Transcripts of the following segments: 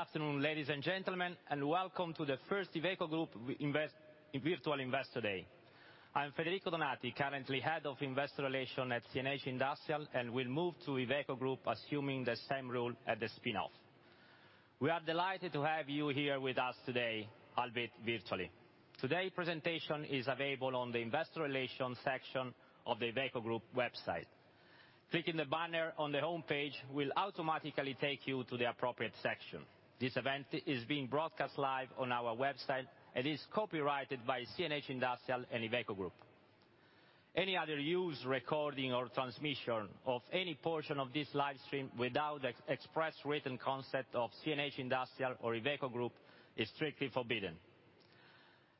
Good afternoon, ladies and gentlemen, and welcome to the first Iveco Group Investor Virtual Investor Day. I'm Federico Donati, currently Head of Investor Relations at CNH Industrial, and will move to Iveco Group, assuming the same role at the spin-off. We are delighted to have you here with us today, albeit virtually. Today's presentation is available on the Investor Relations section of the Iveco Group website. Clicking the banner on the homepage will automatically take you to the appropriate section. This event is being broadcast live on our website and is copyrighted by CNH Industrial and Iveco Group. Any other use, recording, or transmission of any portion of this live stream without express written consent of CNH Industrial or Iveco Group is strictly forbidden.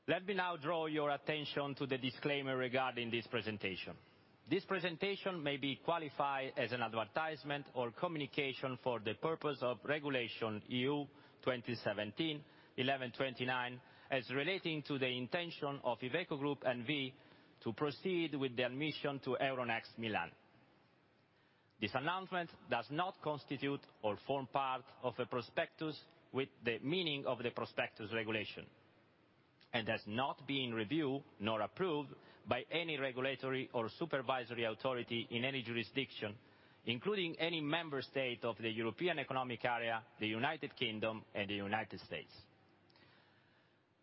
Let me now draw your attention to the disclaimer regarding this presentation. This presentation may be qualified as an advertisement or communication for the purpose of Regulation (EU) 2017/1129 as relating to the intention of Iveco Group and we to proceed with the admission to Euronext Milan. This announcement does not constitute or form part of a prospectus with the meaning of the Prospectus Regulation, and has not been reviewed nor approved by any regulatory or supervisory authority in any jurisdiction, including any member state of the European Economic Area, the United Kingdom, and the United States.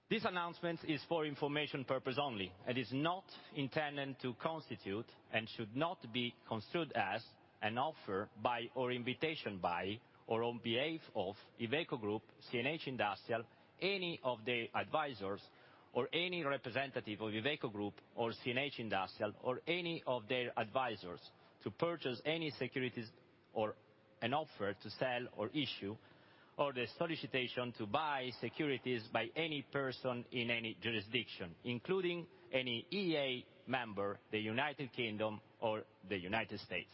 This announcement is for information purposes only and is not intended to constitute and should not be construed as an offer by or invitation by, or on behalf of Iveco Group, CNH Industrial, any of the advisors or any representative of Iveco Group or CNH Industrial or any of their advisors to purchase any securities or an offer to sell or issue, or the solicitation to buy securities by any person in any jurisdiction, including any EEA member, the United Kingdom or the United States.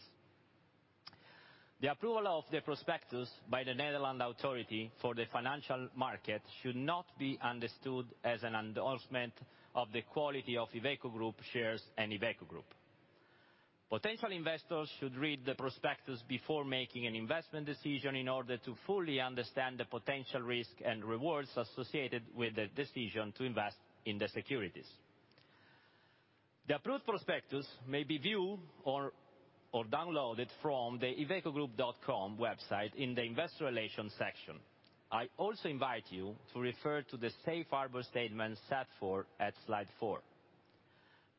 The approval of the prospectus by the Netherlands Authority for the Financial Markets should not be understood as an endorsement of the quality of Iveco Group shares and Iveco Group. Potential investors should read the prospectus before making an investment decision in order to fully understand the potential risk and rewards associated with the decision to invest in the securities. The approved prospectus may be viewed or downloaded from the ivecogroup.com website in the Investor Relations section. I also invite you to refer to the safe harbor statement set forth at slide four.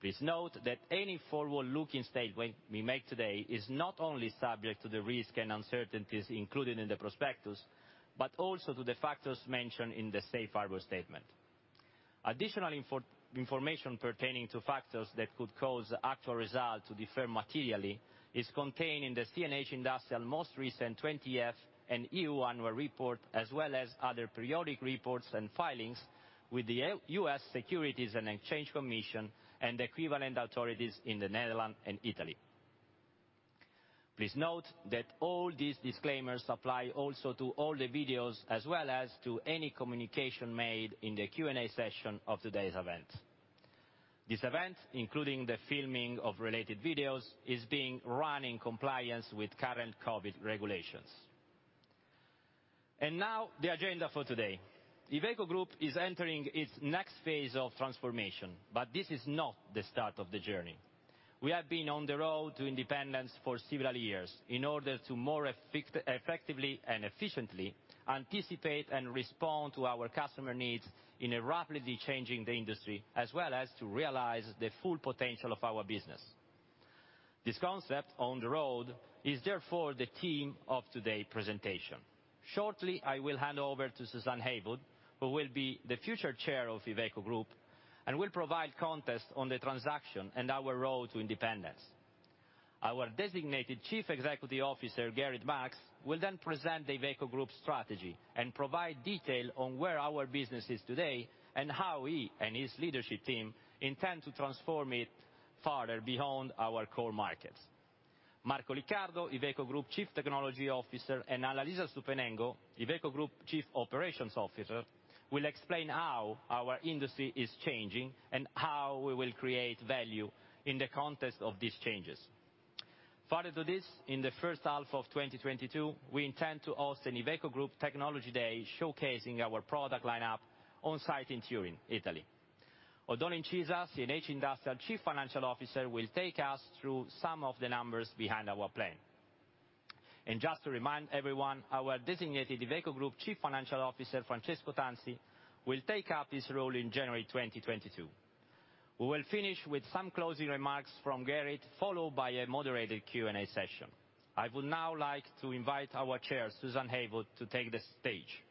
Please note that any forward-looking statement we make today is not only subject to the risks and uncertainties included in the prospectus, but also to the factors mentioned in the safe harbor statement. Additional information pertaining to factors that could cause the actual results to differ materially is contained in the CNH Industrial's most recent 20-F and E.U annual report, as well as other periodic reports and filings with the U.S. Securities and Exchange Commission and equivalent authorities in the Netherlands and Italy. Please note that all these disclaimers apply also to all the videos as well as to any communication made in the Q&A session of today's event. This event, including the filming of related videos, is being run in compliance with current COVID regulations. Now, the agenda for today. Iveco Group is entering its next phase of transformation, but this is not the start of the journey. We have been on the road to independence for several years in order to more effectively and efficiently anticipate and respond to our customer needs in a rapidly changing industry, as well as to realize the full potential of our business. This concept on the road is therefore the theme of today presentation. Shortly, I will hand over to Suzanne Heywood, who will be the future Chair of Iveco Group and will provide context on the transaction and our road to independence. Our designated Chief Executive Officer, Gerrit Marx, will then present the Iveco Group strategy and provide detail on where our business is today and how he and his leadership team intend to transform it farther beyond our core markets. Marco Liccardo, Iveco Group Chief Technology Officer, and Annalisa Stupenengo, Iveco Group Chief Operations Officer, will explain how our industry is changing and how we will create value in the context of these changes. Further to this, in the first half of 2022, we intend to host an Iveco Group Technology Day showcasing our product lineup on site in Turin, Italy. Oddone Incisa, CNH Industrial Chief Financial Officer, will take us through some of the numbers behind our plan. Just to remind everyone, our designated Iveco Group Chief Financial Officer, Francesco Tanzi, will take up his role in January 2022. We will finish with some closing remarks from Gerrit, followed by a moderated Q&A session. I would now like to invite our Chair, Suzanne Heywood, to take the stage.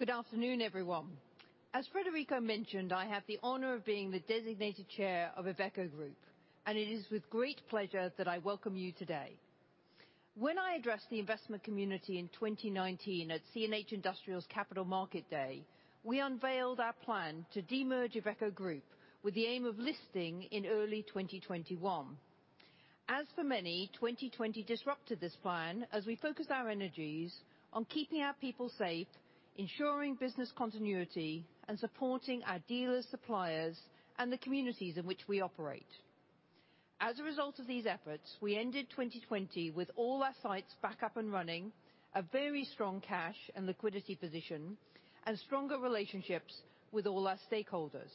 Good afternoon, everyone. As Federico mentioned, I have the honor of being the designated Chair of Iveco Group, and it is with great pleasure that I welcome you today. When I addressed the investment community in 2019 at CNH Industrial's Capital Market Day, we unveiled our plan to de-merge Iveco Group with the aim of listing in early 2021. As for many, 2020 disrupted this plan as we focused our energies on keeping our people safe, ensuring business continuity, and supporting our dealers, suppliers, and the communities in which we operate. As a result of these efforts, we ended 2020 with all our sites back up and running, a very strong cash and liquidity position, and stronger relationships with all our stakeholders.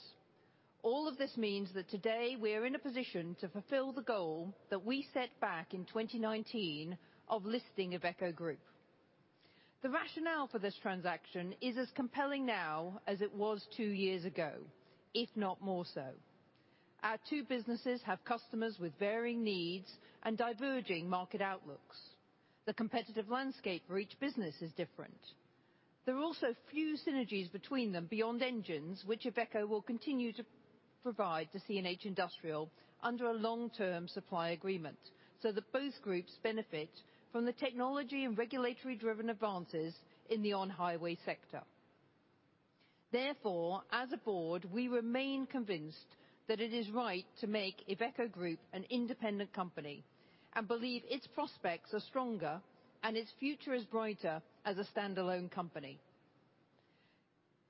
All of this means that today we are in a position to fulfill the goal that we set back in 2019 of listing Iveco Group. The rationale for this transaction is as compelling now as it was two years ago, if not more so. Our two businesses have customers with varying needs and diverging market outlooks. The competitive landscape for each business is different. There are also few synergies between them beyond engines, which Iveco will continue to provide to CNH Industrial under a long-term supply agreement, so that both groups benefit from the technology and regulatory-driven advances in the on-highway sector. Therefore, as a board, we remain convinced that it is right to make Iveco Group an independent company and believe its prospects are stronger and its future is brighter as a standalone company.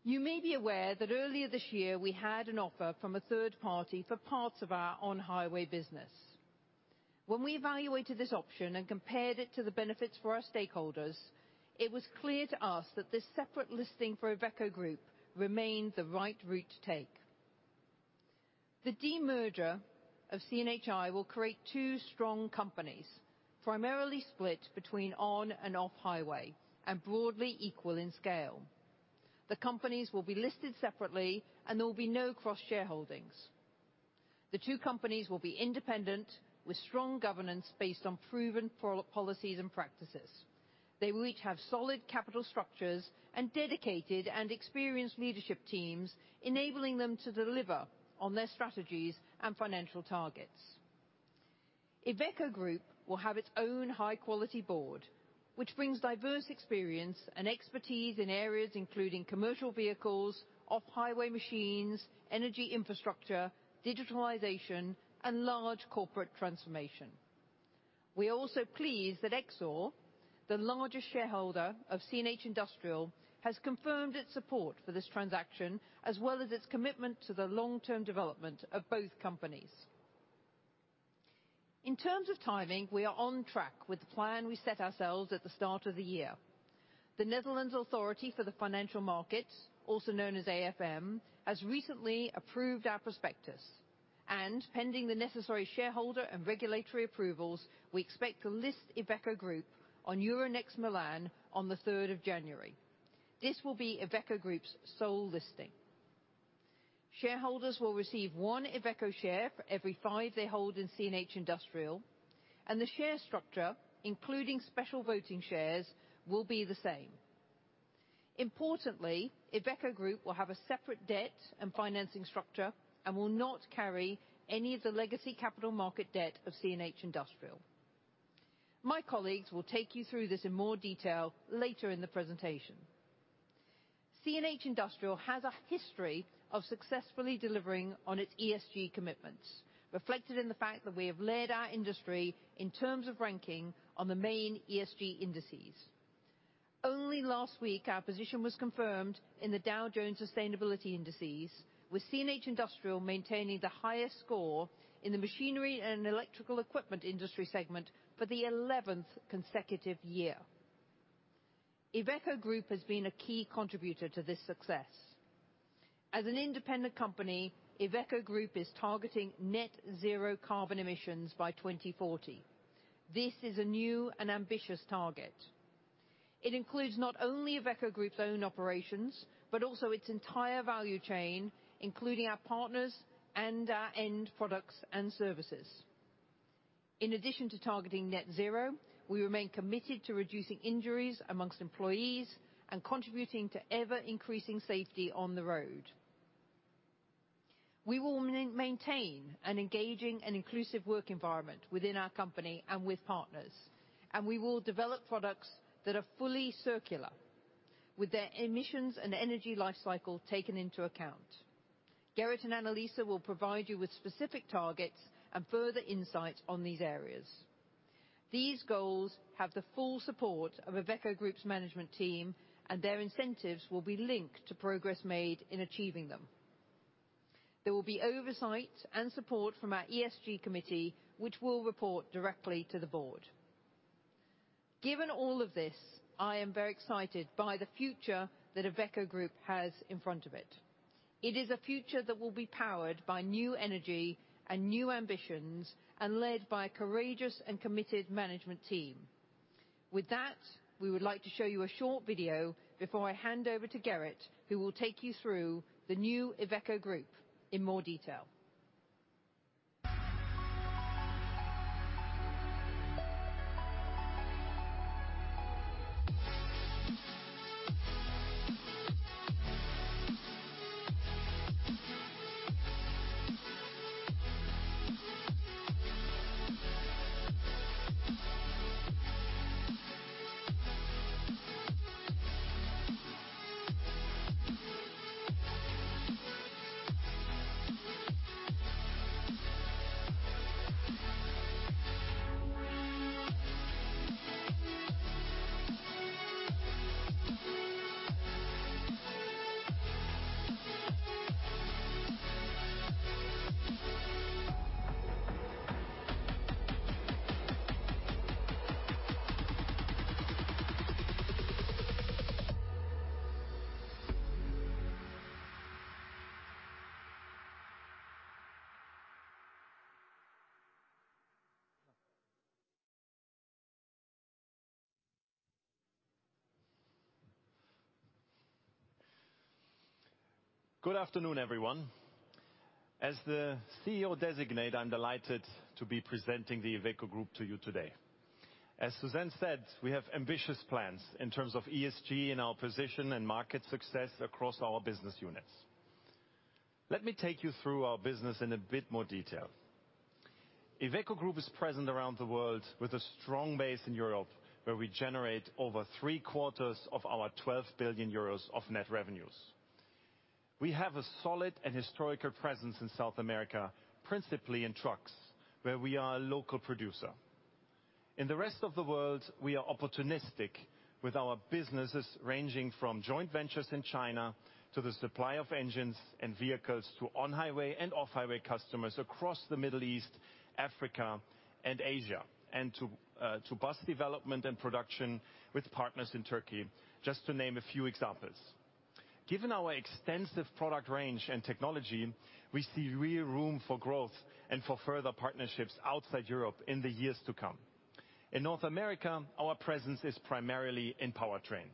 You may be aware that earlier this year we had an offer from a third party for parts of our on-highway business. When we evaluated this option and compared it to the benefits for our stakeholders, it was clear to us that this separate listing for Iveco Group remained the right route to take. The demerger of CNHI will create two strong companies, primarily split between on and off highway, and broadly equal in scale. The companies will be listed separately, and there will be no cross shareholdings. The two companies will be independent with strong governance based on proven policies and practices. They will each have solid capital structures and dedicated and experienced leadership teams, enabling them to deliver on their strategies and financial targets. Iveco Group will have its own high-quality board, which brings diverse experience and expertise in areas including commercial vehicles, off-highway machines, energy infrastructure, digitalization, and large corporate transformation. We are also pleased that Exor, the largest shareholder of CNH Industrial, has confirmed its support for this transaction, as well as its commitment to the long-term development of both companies. In terms of timing, we are on track with the plan we set ourselves at the start of the year. The Netherlands Authority for the Financial Markets, also known as AFM, has recently approved our prospectus. Pending the necessary shareholder and regulatory approvals, we expect to list Iveco Group on Euronext Milan on the third of January. This will be Iveco Group's sole listing. Shareholders will receive one Iveco share for every five they hold in CNH Industrial, and the share structure, including special voting shares, will be the same. Importantly, Iveco Group will have a separate debt and financing structure and will not carry any of the legacy capital market debt of CNH Industrial. My colleagues will take you through this in more detail later in the presentation. CNH Industrial has a history of successfully delivering on its ESG commitments, reflected in the fact that we have led our industry in terms of ranking on the main ESG indices. Only last week, our position was confirmed in the Dow Jones Sustainability Indices, with CNH Industrial maintaining the highest score in the machinery and electrical equipment industry segment for the eleventh consecutive year. Iveco Group has been a key contributor to this success. As an independent company, Iveco Group is targeting net zero carbon emissions by 2040. This is a new and ambitious target. It includes not only Iveco Group's own operations, but also its entire value chain, including our partners and our end products and services. In addition to targeting net zero, we remain committed to reducing injuries among employees and contributing to ever-increasing safety on the road. We will maintain an engaging and inclusive work environment within our company and with partners, and we will develop products that are fully circular, with their emissions and energy life cycle taken into account. Gerrit and Annalisa will provide you with specific targets and further insight on these areas. These goals have the full support of Iveco Group's management team, and their incentives will be linked to progress made in achieving them. There will be oversight and support from our ESG committee, which will report directly to the board. Given all of this, I am very excited by the future that Iveco Group has in front of it. It is a future that will be powered by new energy and new ambitions and led by a courageous and committed management team. With that, we would like to show you a short video before I hand over to Gerrit, who will take you through the new Iveco Group in more detail. Good afternoon, everyone. As the CEO designate, I'm delighted to be presenting the Iveco Group to you today. As Suzanne said, we have ambitious plans in terms of ESG and our position and market success across our business units. Let me take you through our business in a bit more detail. Iveco Group is present around the world with a strong base in Europe, where we generate over three-quarters of our 12 billion euros of net revenues. We have a solid and historical presence in South America, principally in trucks, where we are a local producer. In the rest of the world, we are opportunistic with our businesses, ranging from joint ventures in China to the supply of engines and vehicles to on-highway and off-highway customers across the Middle East, Africa, and Asia. To bus development and production with partners in Turkey, just to name a few examples. Given our extensive product range and technology, we see real room for growth and for further partnerships outside Europe in the years to come. In North America, our presence is primarily in powertrain.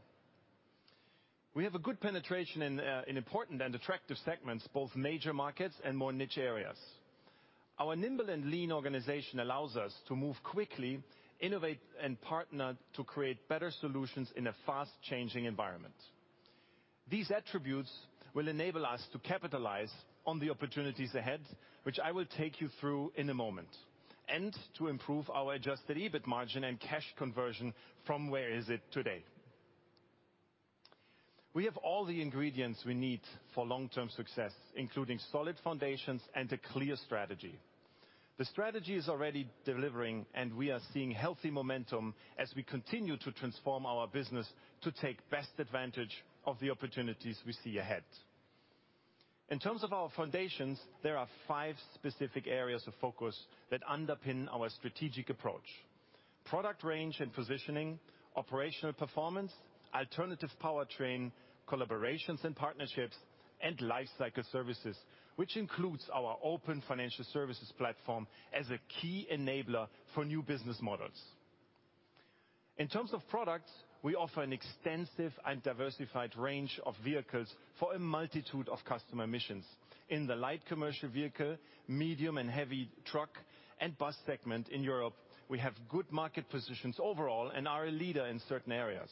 We have a good penetration in important and attractive segments, both major markets and more niche areas. Our nimble and lean organization allows us to move quickly, innovate and partner to create better solutions in a fast changing environment. These attributes will enable us to capitalize on the opportunities ahead, which I will take you through in a moment, and to improve our adjusted EBIT margin and cash conversion from where is it today. We have all the ingredients we need for long-term success, including solid foundations and a clear strategy. The strategy is already delivering, and we are seeing healthy momentum as we continue to transform our business to take best advantage of the opportunities we see ahead. In terms of our foundations, there are five specific areas of focus that underpin our strategic approach. Product range and positioning, operational performance, alternative powertrain, collaborations and partnerships, and lifecycle services, which includes our open financial services platform as a key enabler for new business models. In terms of products, we offer an extensive and diversified range of vehicles for a multitude of customer missions. In the light commercial vehicle, medium and heavy truck, and bus segment in Europe, we have good market positions overall and are a leader in certain areas.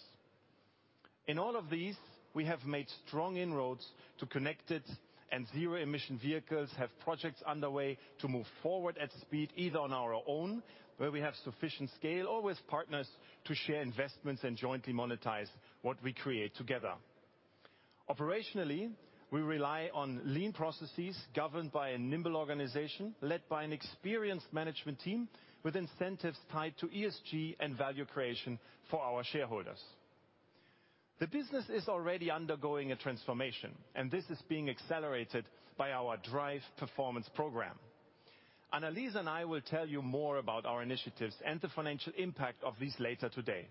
In all of these, we have made strong inroads to connected and zero emission vehicles, have projects underway to move forward at speed, either on our own, where we have sufficient scale, or with partners to share investments and jointly monetize what we create together. Operationally, we rely on lean processes governed by a nimble organization led by an experienced management team with incentives tied to ESG and value creation for our shareholders. The business is already undergoing a transformation, and this is being accelerated by our drive performance program. Annalisa and I will tell you more about our initiatives and the financial impact of this later today.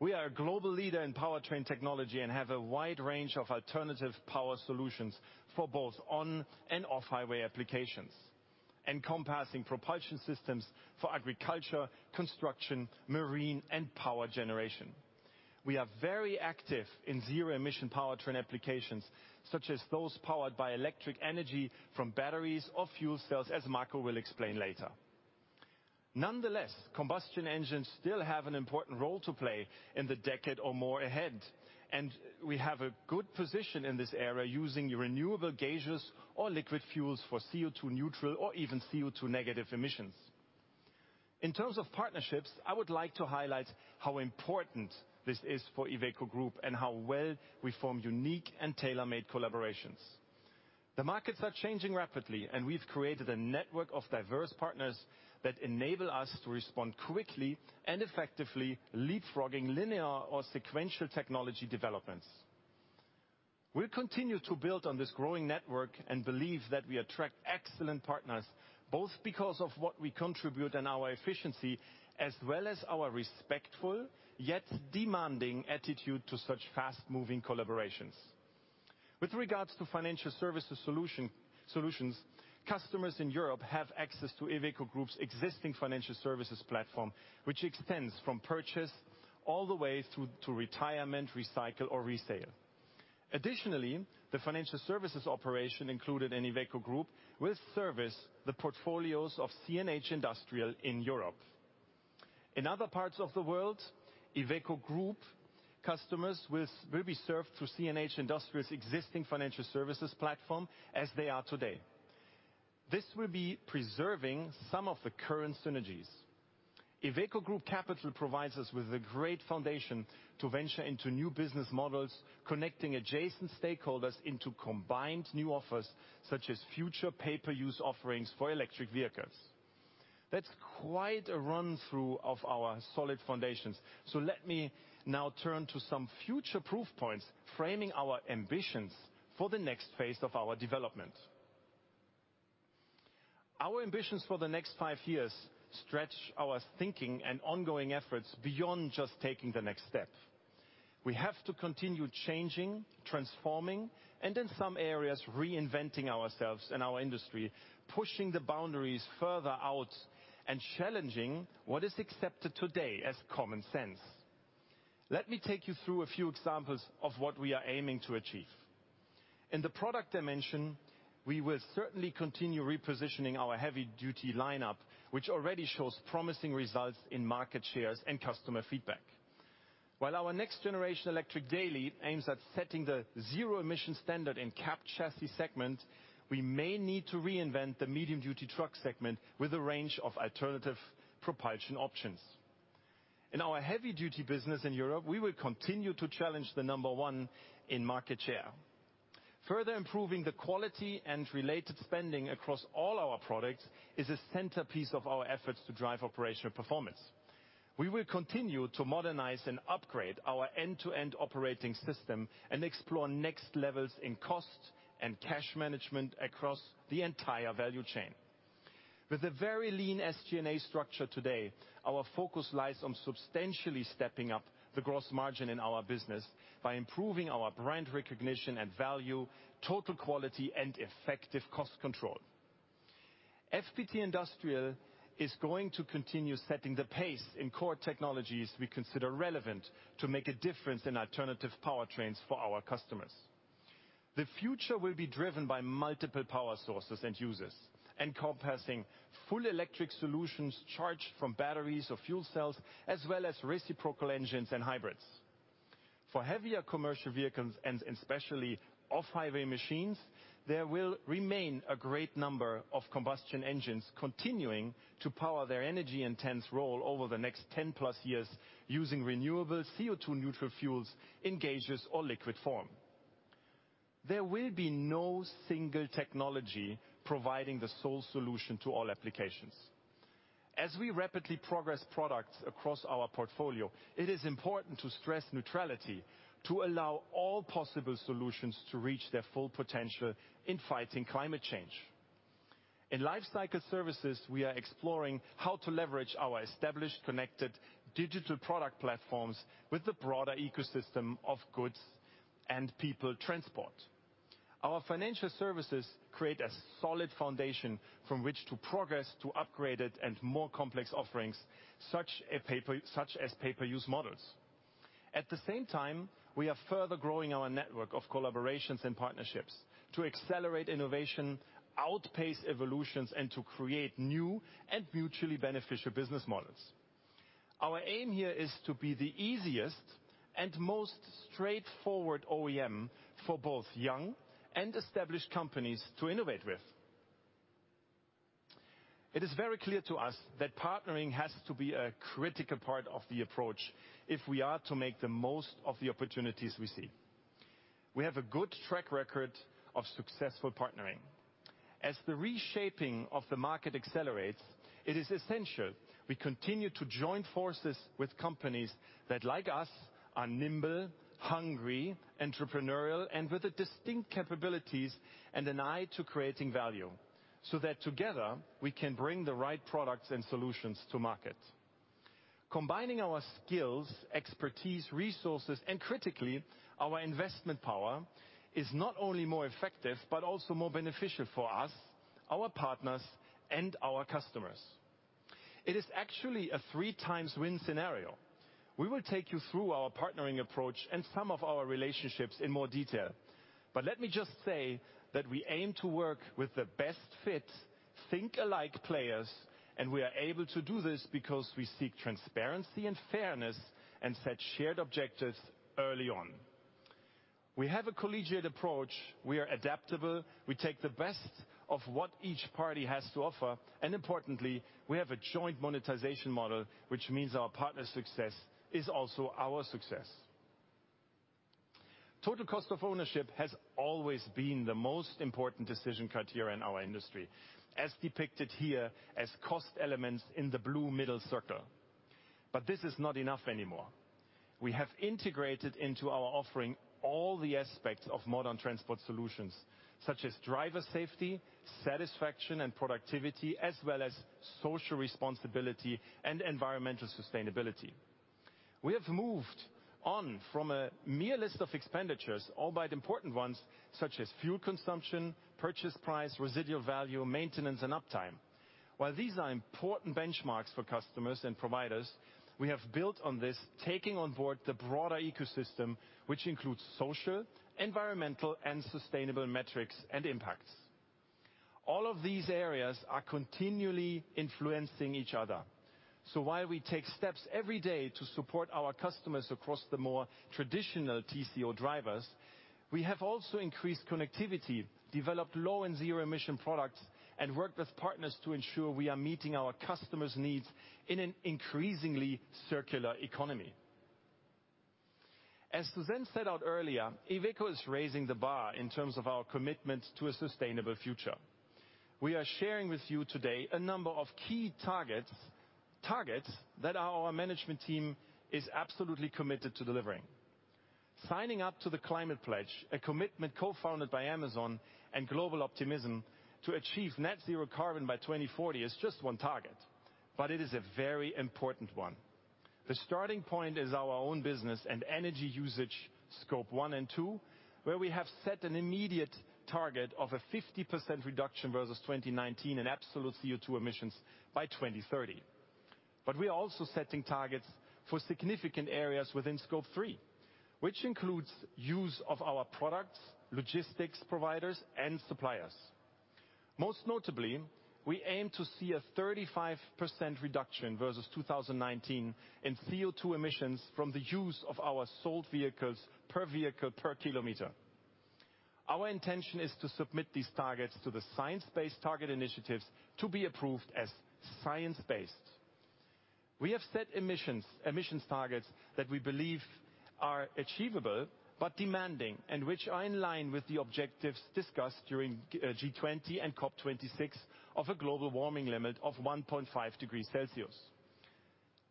We are a global leader in powertrain technology and have a wide range of alternative power solutions for both on and off-highway applications, encompassing propulsion systems for agriculture, construction, marine and power generation. We are very active in zero emission powertrain applications, such as those powered by electric energy from batteries or fuel cells, as Marco will explain later. Nonetheless, combustion engines still have an important role to play in the decade or more ahead, and we have a good position in this area using renewable gases or liquid fuels for CO₂ neutral or even CO₂ negative emissions. In terms of partnerships, I would like to highlight how important this is for Iveco Group and how well we form unique and tailor-made collaborations. The markets are changing rapidly, and we've created a network of diverse partners that enable us to respond quickly and effectively, leapfrogging linear or sequential technology developments. We continue to build on this growing network and believe that we attract excellent partners, both because of what we contribute and our efficiency, as well as our respectful, yet demanding attitude to such fast moving collaborations. With regards to financial services solutions, customers in Europe have access to Iveco Group's existing financial services platform, which extends from purchase all the way through to retirement, recycle or resale. Additionally, the financial services operation included in Iveco Group will service the portfolios of CNH Industrial in Europe. In other parts of the world, Iveco Group customers will be served through CNH Industrial's existing financial services platform as they are today. This will be preserving some of the current synergies. IVECO CAPITAL provides us with a great foundation to venture into new business models, connecting adjacent stakeholders into combined new offers, such as future pay-per-use offerings for electric vehicles. That's quite a run-through of our solid foundations. Let me now turn to some future-proof points, framing our ambitions for the next phase of our development. Our ambitions for the next five years stretch our thinking and ongoing efforts beyond just taking the next step. We have to continue changing, transforming, and in some areas, reinventing ourselves and our industry, pushing the boundaries further out and challenging what is accepted today as common sense. Let me take you through a few examples of what we are aiming to achieve. In the product dimension, we will certainly continue repositioning our heavy-duty lineup, which already shows promising results in market shares and customer feedback. While our next-generation electric Daily aims at setting the zero-emission standard in cab chassis segment, we may need to reinvent the medium-duty truck segment with a range of alternative propulsion options. In our heavy-duty business in Europe, we will continue to challenge the number one in market share. Further improving the quality and related spending across all our products is a centerpiece of our efforts to drive operational performance. We will continue to modernize and upgrade our end-to-end operating system and explore next levels in cost and cash management across the entire value chain. With a very lean SG&A structure today, our focus lies on substantially stepping up the gross margin in our business by improving our brand recognition and value, total quality, and effective cost control. FPT Industrial is going to continue setting the pace in core technologies we consider relevant to make a difference in alternative powertrains for our customers. The future will be driven by multiple power sources and users, encompassing full electric solutions charged from batteries or fuel cells, as well as reciprocating engines and hybrids. For heavier commercial vehicles and especially off-highway machines, there will remain a great number of combustion engines continuing to power their energy intense role over the next 10+ years, using renewable CO2-neutral fuels in gaseous or liquid form. There will be no single technology providing the sole solution to all applications. As we rapidly progress products across our portfolio, it is important to stress neutrality to allow all possible solutions to reach their full potential in fighting climate change. In lifecycle services, we are exploring how to leverage our established, connected digital product platforms with the broader ecosystem of goods and people transport. Our financial services create a solid foundation from which to progress to upgraded and more complex offerings, such as pay-per-use models. At the same time, we are further growing our network of collaborations and partnerships to accelerate innovation, outpace evolutions, and to create new and mutually beneficial business models. Our aim here is to be the easiest and most straightforward OEM for both young and established companies to innovate with. It is very clear to us that partnering has to be a critical part of the approach if we are to make the most of the opportunities we see. We have a good track record of successful partnering. As the reshaping of the market accelerates, it is essential we continue to join forces with companies that, like us, are nimble, hungry, entrepreneurial, and with the distinct capabilities and an eye to creating value, so that together we can bring the right products and solutions to market. Combining our skills, expertise, resources, and critically, our investment power, is not only more effective, but also more beneficial for us, our partners, and our customers. It is actually a three-times win scenario. We will take you through our partnering approach and some of our relationships in more detail. Let me just say that we aim to work with the best fit, think-alike players, and we are able to do this because we seek transparency and fairness and set shared objectives early on. We have a collegiate approach. We are adaptable. We take the best of what each party has to offer, and importantly, we have a joint monetization model, which means our partners' success is also our success. Total cost of ownership has always been the most important decision criteria in our industry, as depicted here as cost elements in the blue middle circle, but this is not enough anymore. We have integrated into our offering all the aspects of modern transport solutions, such as driver safety, satisfaction, and productivity, as well as social responsibility and environmental sustainability. We have moved on from a mere list of expenditures, albeit important ones, such as fuel consumption, purchase price, residual value, maintenance, and uptime. While these are important benchmarks for customers and providers, we have built on this, taking on board the broader ecosystem, which includes social, environmental, and sustainable metrics and impacts. All of these areas are continually influencing each other. While we take steps every day to support our customers across the more traditional TCO drivers, we have also increased connectivity, developed low and zero-emission products, and worked with partners to ensure we are meeting our customers' needs in an increasingly circular economy. As Suzanne set out earlier, Iveco is raising the bar in terms of our commitment to a sustainable future. We are sharing with you today a number of key targets that our management team is absolutely committed to delivering. Signing up to The Climate Pledge, a commitment co-founded by Amazon and Global Optimism to achieve net-zero carbon by 2040 is just one target, but it is a very important one. The starting point is our own business and energy usage, Scope 1 and 2, where we have set an immediate target of a 50% reduction versus 2019 in absolute CO₂ emissions by 2030. We are also setting targets for significant areas within Scope 3, which includes use of our products, logistics providers, and suppliers. Most notably, we aim to see a 35% reduction versus 2019 in CO₂ emissions from the use of our sold vehicles per vehicle per kilometer. Our intention is to submit these targets to the Science Based Targets initiative to be approved as science-based. We have set emissions targets that we believe are achievable but demanding, and which are in line with the objectives discussed during G20 and COP26 of a global warming limit of 1.5 degrees Celsius.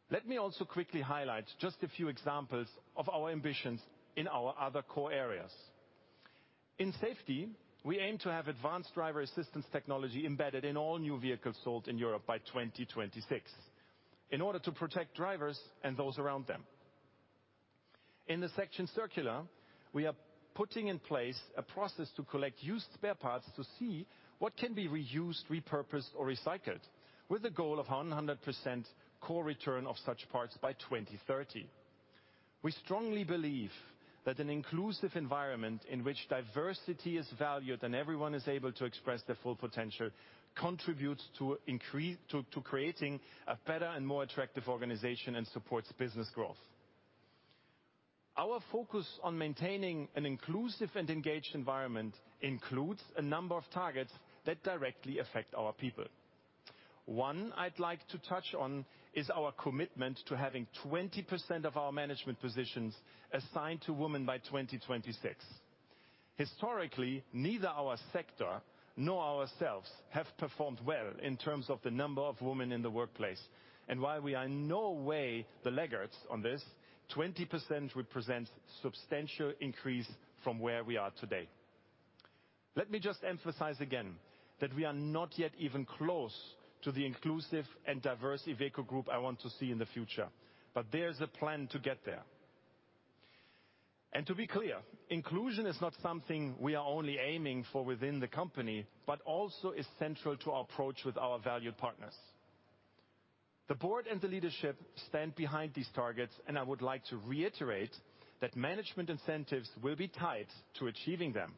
Let me also quickly highlight just a few examples of our ambitions in our other core areas. In safety, we aim to have advanced driver assistance technology embedded in all new vehicles sold in Europe by 2026, in order to protect drivers and those around them. In the section circular, we are putting in place a process to collect used spare parts to see what can be reused, repurposed, or recycled with the goal of 100% core return of such parts by 2030. We strongly believe that an inclusive environment in which diversity is valued and everyone is able to express their full potential contributes to creating a better and more attractive organization and supports business growth. Our focus on maintaining an inclusive and engaged environment includes a number of targets that directly affect our people. One I'd like to touch on is our commitment to having 20% of our management positions assigned to women by 2026. Historically, neither our sector nor ourselves have performed well in terms of the number of women in the workplace. While we are in no way the laggards on this, 20% represents substantial increase from where we are today. Let me just emphasize again that we are not yet even close to the inclusive and diverse Iveco Group I want to see in the future, but there's a plan to get there. To be clear, inclusion is not something we are only aiming for within the company, but also is central to our approach with our valued partners. The board and the leadership stand behind these targets, and I would like to reiterate that management incentives will be tied to achieving them.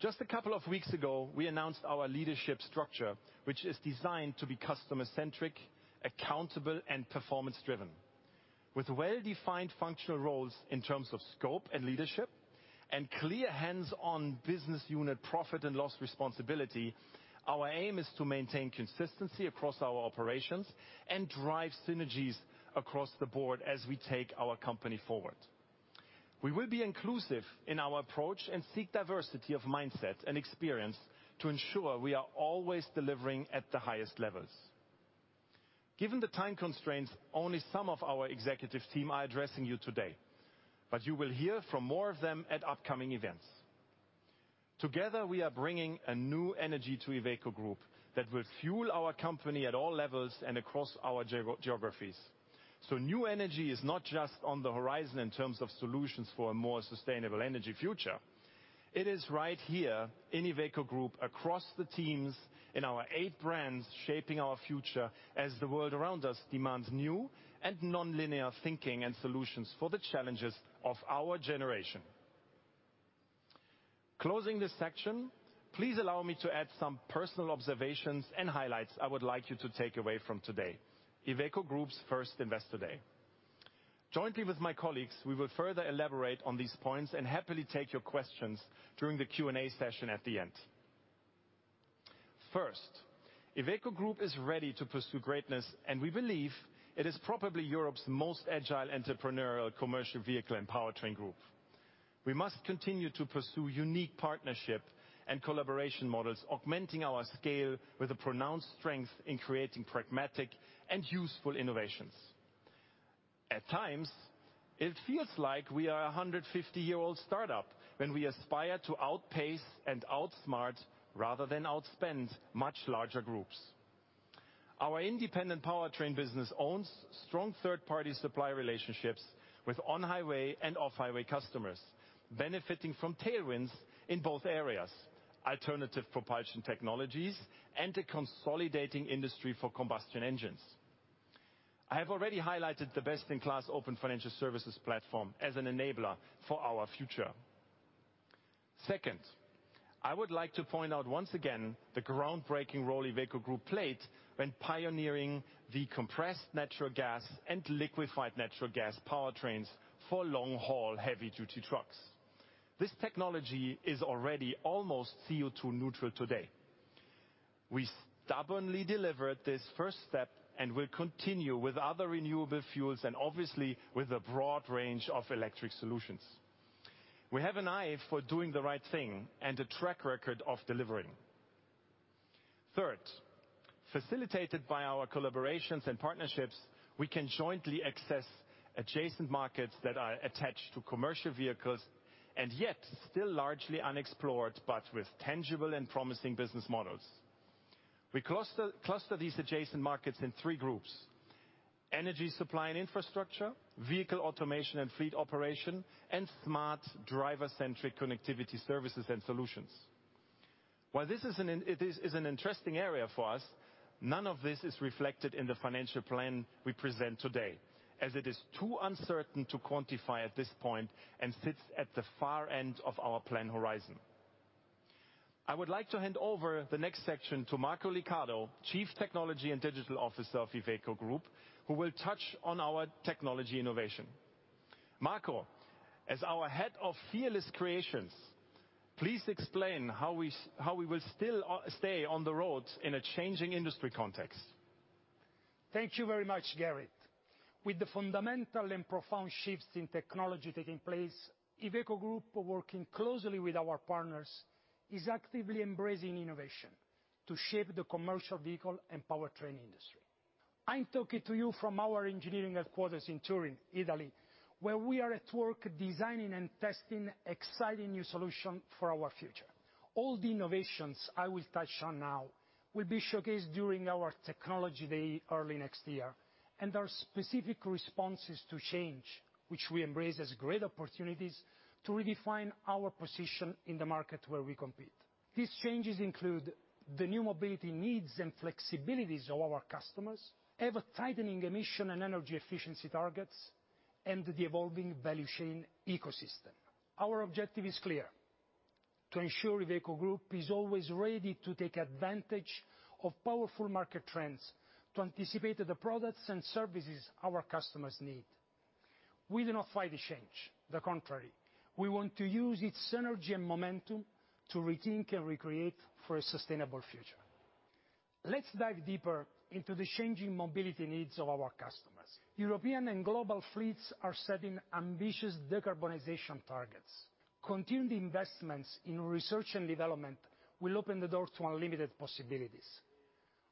Just a couple of weeks ago, we announced our leadership structure, which is designed to be customer-centric, accountable, and performance-driven. With well-defined functional roles in terms of scope and leadership and clear hands-on business unit profit and loss responsibility, our aim is to maintain consistency across our operations and drive synergies across the board as we take our company forward. We will be inclusive in our approach and seek diversity of mindsets and experience to ensure we are always delivering at the highest levels. Given the time constraints, only some of our executive team are addressing you today, but you will hear from more of them at upcoming events. Together, we are bringing a new energy to Iveco Group that will fuel our company at all levels and across our geographies. New energy is not just on the horizon in terms of solutions for a more sustainable energy future. It is right here in Iveco Group across the teams in our eight brands, shaping our future as the world around us demands new and nonlinear thinking and solutions for the challenges of our generation. Closing this section, please allow me to add some personal observations and highlights I would like you to take away from today, Iveco Group's first Investor Day. Jointly with my colleagues, we will further elaborate on these points and happily take your questions during the Q&A session at the end. First, Iveco Group is ready to pursue greatness, and we believe it is probably Europe's most agile entrepreneurial commercial vehicle and powertrain group. We must continue to pursue unique partnership and collaboration models, augmenting our scale with a pronounced strength in creating pragmatic and useful innovations. At times, it feels like we are a 150-year-old startup when we aspire to outpace and outsmart rather than outspend much larger groups. Our independent powertrain business owns strong third-party supplier relationships with on-highway and off-highway customers, benefiting from tailwinds in both areas, alternative propulsion technologies, and a consolidating industry for combustion engines. I have already highlighted the best-in-class open financial services platform as an enabler for our future. Second, I would like to point out once again the groundbreaking role Iveco Group played when pioneering the compressed natural gas and liquefied natural gas powertrains for long-haul heavy-duty trucks. This technology is already almost CO₂ neutral today. We stubbornly delivered this first step, and will continue with other renewable fuels, and obviously, with a broad range of electric solutions. We have an eye for doing the right thing and a track record of delivering. Third, facilitated by our collaborations and partnerships, we can jointly access adjacent markets that are attached to commercial vehicles, and yet still largely unexplored, but with tangible and promising business models. We cluster these adjacent markets in three groups: energy supply and infrastructure, vehicle automation and fleet operation, and smart driver-centric connectivity services and solutions. While this is an interesting area for us, none of this is reflected in the financial plan we present today, as it is too uncertain to quantify at this point, and sits at the far end of our plan horizon. I would like to hand over the next section to Marco Liccardo, Chief Technology and Digital Officer of Iveco Group, who will touch on our technology innovation. Marco, as our head of fearless creations, please explain how we will still stay on the road in a changing industry context. Thank you very much, Gerrit. With the fundamental and profound shifts in technology taking place, Iveco Group, working closely with our partners, is actively embracing innovation to shape the commercial vehicle and powertrain industry. I'm talking to you from our engineering headquarters in Turin, Italy, where we are at work designing and testing exciting new solutions for our future. All the innovations I will touch on now will be showcased during our technology day early next year, and are specific responses to change, which we embrace as great opportunities to redefine our position in the market where we compete. These changes include the new mobility needs and flexibilities of our customers, ever tightening emission and energy efficiency targets, and the evolving value chain ecosystem. Our objective is clear: to ensure Iveco Group is always ready to take advantage of powerful market trends to anticipate the products and services our customers need. We do not fight the change. The contrary, we want to use its energy and momentum to rethink and recreate for a sustainable future. Let's dive deeper into the changing mobility needs of our customers. European and global fleets are setting ambitious decarbonization targets. Continued investments in research and development will open the door to unlimited possibilities.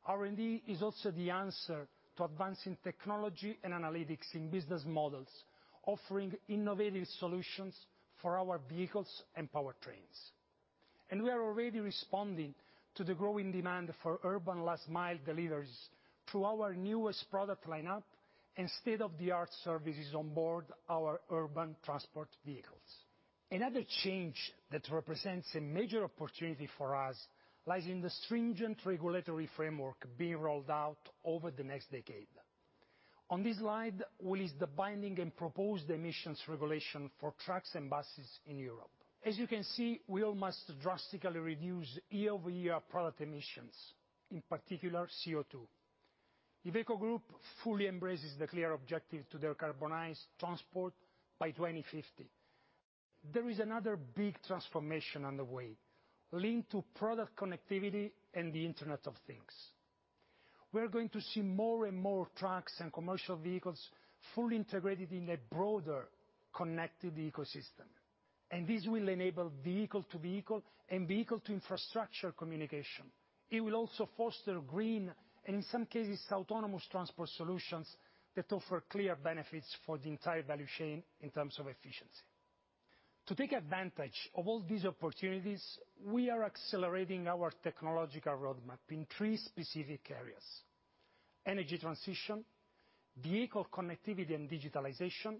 R&D is also the answer to advancing technology and analytics in business models, offering innovative solutions for our vehicles and powertrains. We are already responding to the growing demand for urban last mile deliveries through our newest product lineup and state-of-the-art services on board our urban transport vehicles. Another change that represents a major opportunity for us lies in the stringent regulatory framework being rolled out over the next decade. On this slide, the binding and proposed emissions regulations for trucks and buses in Europe. As you can see, we all must drastically reduce year-over-year product emissions, in particular CO₂. Iveco Group fully embraces the clear objective to decarbonize transport by 2050. There is another big transformation on the way, linked to product connectivity and the Internet of Things. We're going to see more and more trucks and commercial vehicles fully integrated in a broader connected ecosystem, and this will enable vehicle-to-vehicle and vehicle-to-infrastructure communication. It will also foster green and, in some cases, autonomous transport solutions that offer clear benefits for the entire value chain in terms of efficiency. To take advantage of all these opportunities, we are accelerating our technological roadmap in three specific areas: energy transition, vehicle connectivity and digitalization,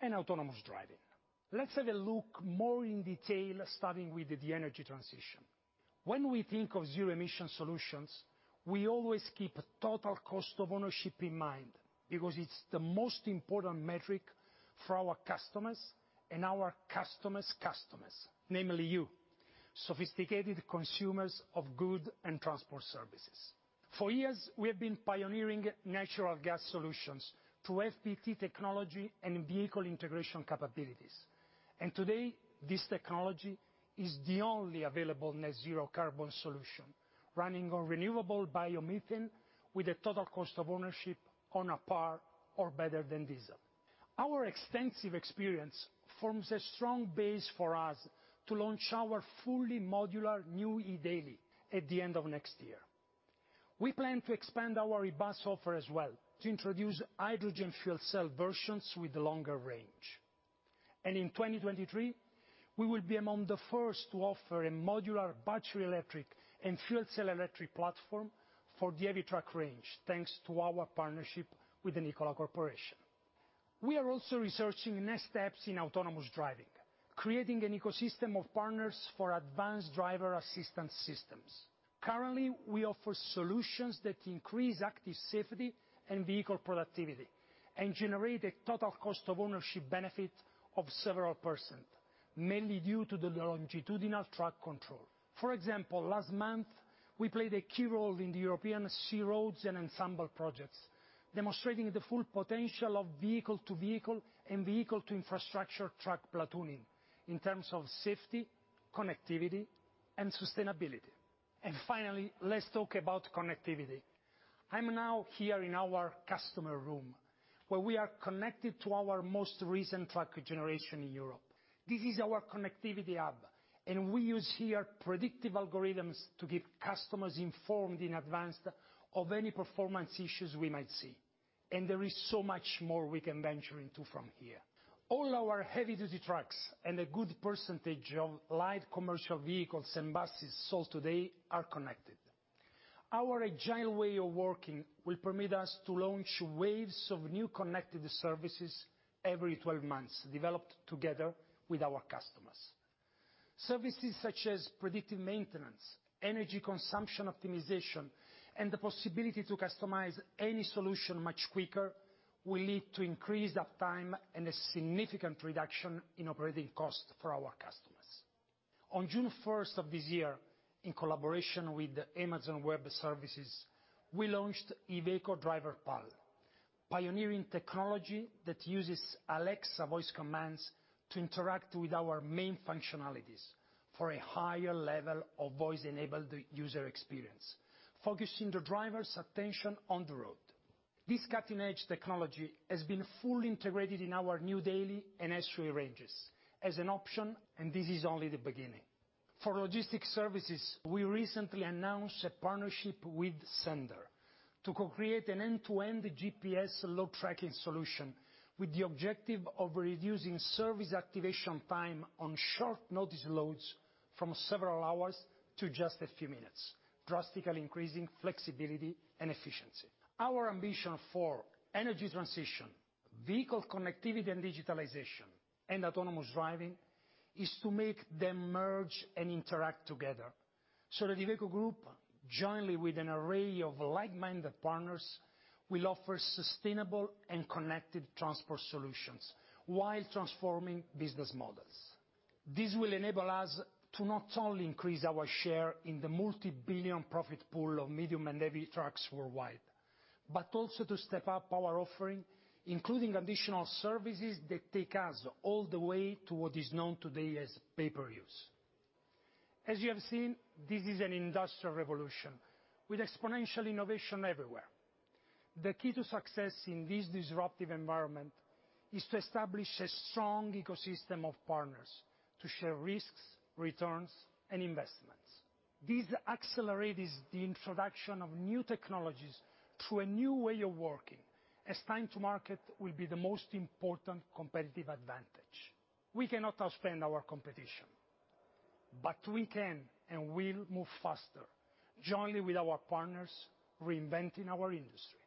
and autonomous driving. Let's have a look in more detail, starting with the energy transition. When we think of zero emission solutions, we always keep total cost of ownership in mind because it's the most important metric for our customers and our customers' customers, namely you, sophisticated consumers of goods and transport services. For years, we have been pioneering natural gas solutions with FPT Industrial technology and vehicle integration capabilities. Today, this technology is the only available net zero carbon solution, running on renewable biomethane with a total cost of ownership on a par or better than diesel. Our extensive experience forms a strong base for us to launch our fully modular new eDAILY at the end of next year. We plan to expand our eBus offer as well to introduce hydrogen fuel cell versions with longer range. In 2023, we will be among the first to offer a modular battery electric and fuel cell electric platform for the heavy truck range, thanks to our partnership with the Nikola Corporation. We are also researching next steps in autonomous driving, creating an ecosystem of partners for advanced driver assistance systems. Currently, we offer solutions that increase active safety and vehicle productivity and generate a total cost of ownership benefit of several %, mainly due to the longitudinal truck control. For example, last month, we played a key role in the European C-Roads and ENSEMBLE projects, demonstrating the full potential of vehicle-to-vehicle and vehicle-to-infrastructure truck platooning in terms of safety, connectivity, and sustainability. Finally, let's talk about connectivity. I'm now here in our customer room, where we are connected to our most recent truck generation in Europe. This is our connectivity hub, and we use here predictive algorithms to keep customers informed in advance of any performance issues we might see. There is so much more we can venture into from here. All our heavy-duty trucks and a good percentage of light commercial vehicles and buses sold today are connected. Our agile way of working will permit us to launch waves of new connected services every 12 months, developed together with our customers. Services such as predictive maintenance, energy consumption optimization, and the possibility to customize any solution much quicker will lead to increased uptime and a significant reduction in operating costs for our customers. On June first of this year, in collaboration with Amazon Web Services, we launched Iveco Driver Pal, pioneering technology that uses Alexa voice commands to interact with our main functionalities for a higher level of voice-enabled user experience, focusing the driver's attention on the road. This cutting-edge technology has been fully integrated in our new Daily and S-Way ranges as an option, and this is only the beginning. For logistic services, we recently announced a partnership with sennder to co-create an end-to-end GPS load tracking solution with the objective of reducing service activation time on short-notice loads from several hours to just a few minutes, drastically increasing flexibility and efficiency. Our ambition for energy transition, vehicle connectivity and digitalization, and autonomous driving is to make them merge and interact together. The Iveco Group, jointly with an array of like-minded partners, will offer sustainable and connected transport solutions while transforming business models. This will enable us to not only increase our share in the multi-billion profit pool of medium and heavy trucks worldwide, but also to step up our offering, including additional services that take us all the way to what is known today as pay-per-use. As you have seen, this is an industrial revolution with exponential innovation everywhere. The key to success in this disruptive environment is to establish a strong ecosystem of partners to share risks, returns, and investments. This accelerates the introduction of new technologies through a new way of working, as time to market will be the most important competitive advantage. We cannot outspend our competition, but we can and will move faster, jointly with our partners, reinventing our industry.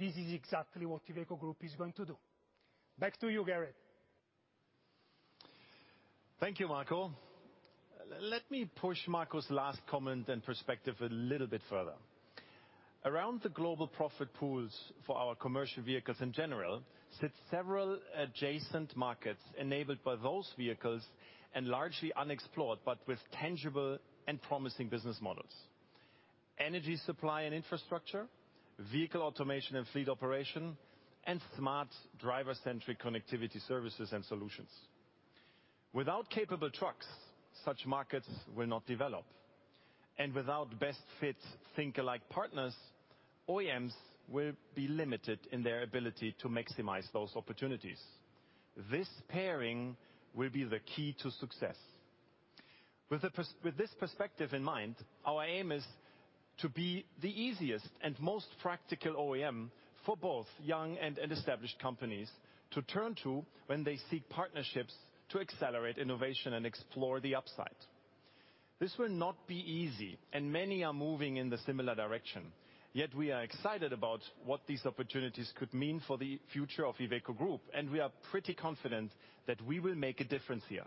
This is exactly what Iveco Group is going to do. Back to you, Gerrit. Thank you, Michael. Let me push Michael's last comment and perspective a little bit further. Around the global profit pools for our commercial vehicles in general sit several adjacent markets enabled by those vehicles and largely unexplored, but with tangible and promising business models. Energy supply and infrastructure, vehicle automation and fleet operation, and smart driver-centric connectivity services and solutions. Without capable trucks, such markets will not develop, and without best fit, think-alike partners, OEMs will be limited in their ability to maximize those opportunities. This pairing will be the key to success. With this perspective in mind, our aim is to be the easiest and most practical OEM for both young and established companies to turn to when they seek partnerships to accelerate innovation and explore the upside. This will not be easy, and many are moving in a similar direction. Yet we are excited about what these opportunities could mean for the future of Iveco Group, and we are pretty confident that we will make a difference here.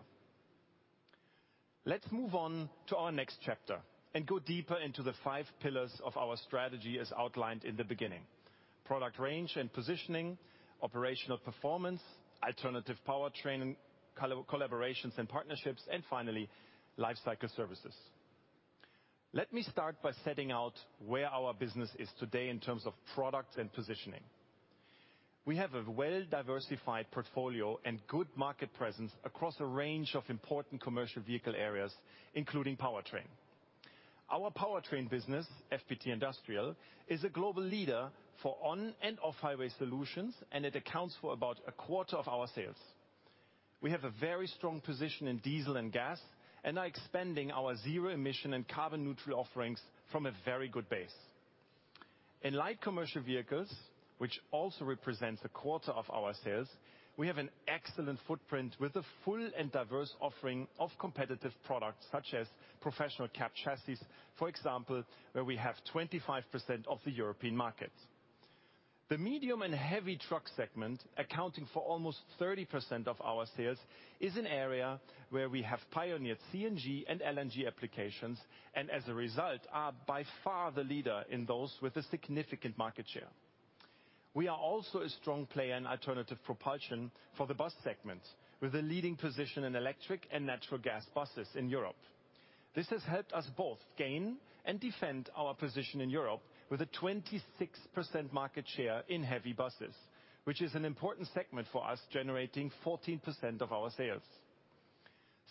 Let's move on to our next chapter and go deeper into the five pillars of our strategy as outlined in the beginning. Product range and positioning, operational performance, alternative powertrain, collaborations and partnerships, and finally, lifecycle services. Let me start by setting out where our business is today in terms of products and positioning. We have a well-diversified portfolio and good market presence across a range of important commercial vehicle areas, including powertrain. Our powertrain business, FPT Industrial, is a global leader for on and off-highway solutions, and it accounts for about a quarter of our sales. We have a very strong position in diesel and gas and are expanding our zero-emission and carbon-neutral offerings from a very good base. In light commercial vehicles, which also represents a quarter of our sales, we have an excellent footprint with a full and diverse offering of competitive products, such as professional cab chassis, for example, where we have 25% of the European market. The medium and heavy truck segment, accounting for almost 30% of our sales, is an area where we have pioneered CNG and LNG applications, and as a result, are by far the leader in those with a significant market share. We are also a strong player in alternative propulsion for the bus segment, with a leading position in electric and natural gas buses in Europe. This has helped us both gain and defend our position in Europe with a 26% market share in heavy buses, which is an important segment for us, generating 14% of our sales.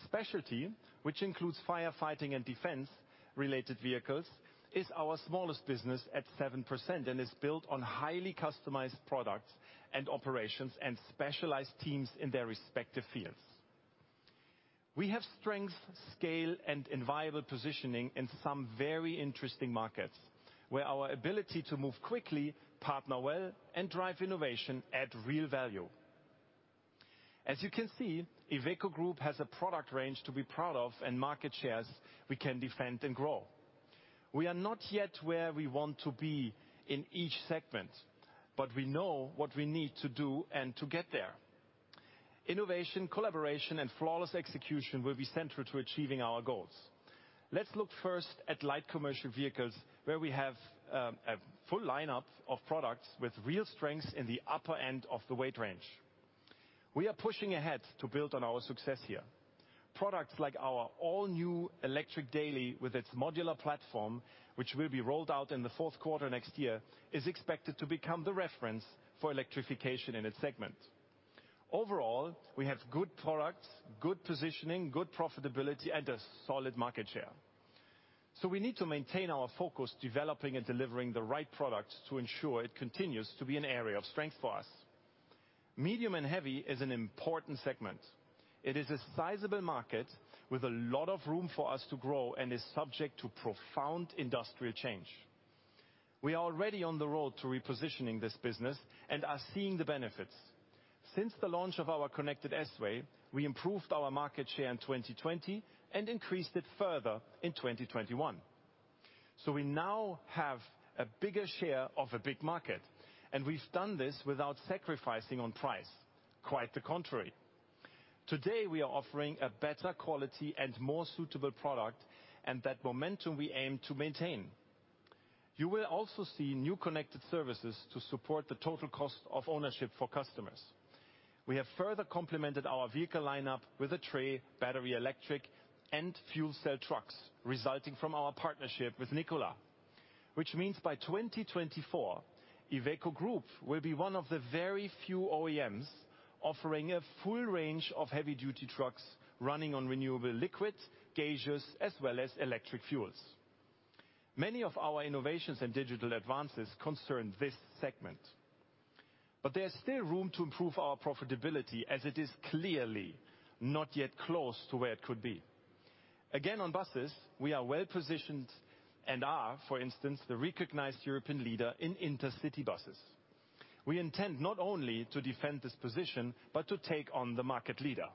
Specialty, which includes firefighting and defense-related vehicles, is our smallest business at 7% and is built on highly customized products and operations and specialized teams in their respective fields. We have strength, scale, and enviable positioning in some very interesting markets, where our ability to move quickly, partner well, and drive innovation add real value. As you can see, Iveco Group has a product range to be proud of and market shares we can defend and grow. We are not yet where we want to be in each segment, but we know what we need to do and to get there. Innovation, collaboration, and flawless execution will be central to achieving our goals. Let's look first at light commercial vehicles, where we have a full lineup of products with real strengths in the upper end of the weight range. We are pushing ahead to build on our success here. Products like our all-new electric Daily with its modular platform, which will be rolled out in the fourth quarter next year, is expected to become the reference for electrification in its segment. Overall, we have good products, good positioning, good profitability, and a solid market share. We need to maintain our focus, developing and delivering the right products to ensure it continues to be an area of strength for us. Medium and heavy is an important segment. It is a sizable market with a lot of room for us to grow and is subject to profound industrial change. We are already on the road to repositioning this business and are seeing the benefits. Since the launch of our connected S-Way, we improved our market share in 2020 and increased it further in 2021. We now have a bigger share of a big market, and we've done this without sacrificing on price. Quite the contrary. Today, we are offering a better quality and more suitable product, and that momentum we aim to maintain. You will also see new connected services to support the total cost of ownership for customers. We have further complemented our vehicle lineup with a T-Way, battery electric, and fuel cell trucks, resulting from our partnership with Nikola, which means by 2024, Iveco Group will be one of the very few OEMs offering a full range of heavy-duty trucks running on renewable liquids, gases, as well as electric fuels. Many of our innovations and digital advances concern this segment, but there is still room to improve our profitability, as it is clearly not yet close to where it could be. Again, on buses, we are well-positioned and are, for instance, the recognized European leader in intercity buses. We intend not only to defend this position but to take on the market leader.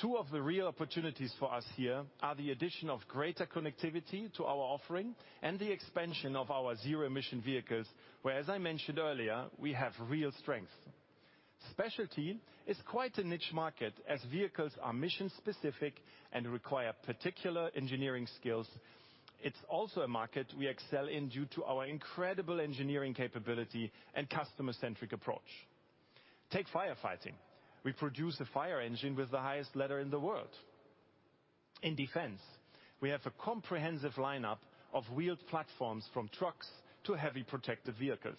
Two of the real opportunities for us here are the addition of greater connectivity to our offering and the expansion of our zero-emission vehicles, where, as I mentioned earlier, we have real strength. Specialty is quite a niche market, as vehicles are mission-specific and require particular engineering skills. It's also a market we excel in due to our incredible engineering capability and customer-centric approach. Take firefighting. We produce a fire engine with the highest ladder in the world. In defense, we have a comprehensive lineup of wheeled platforms from trucks to heavy protected vehicles.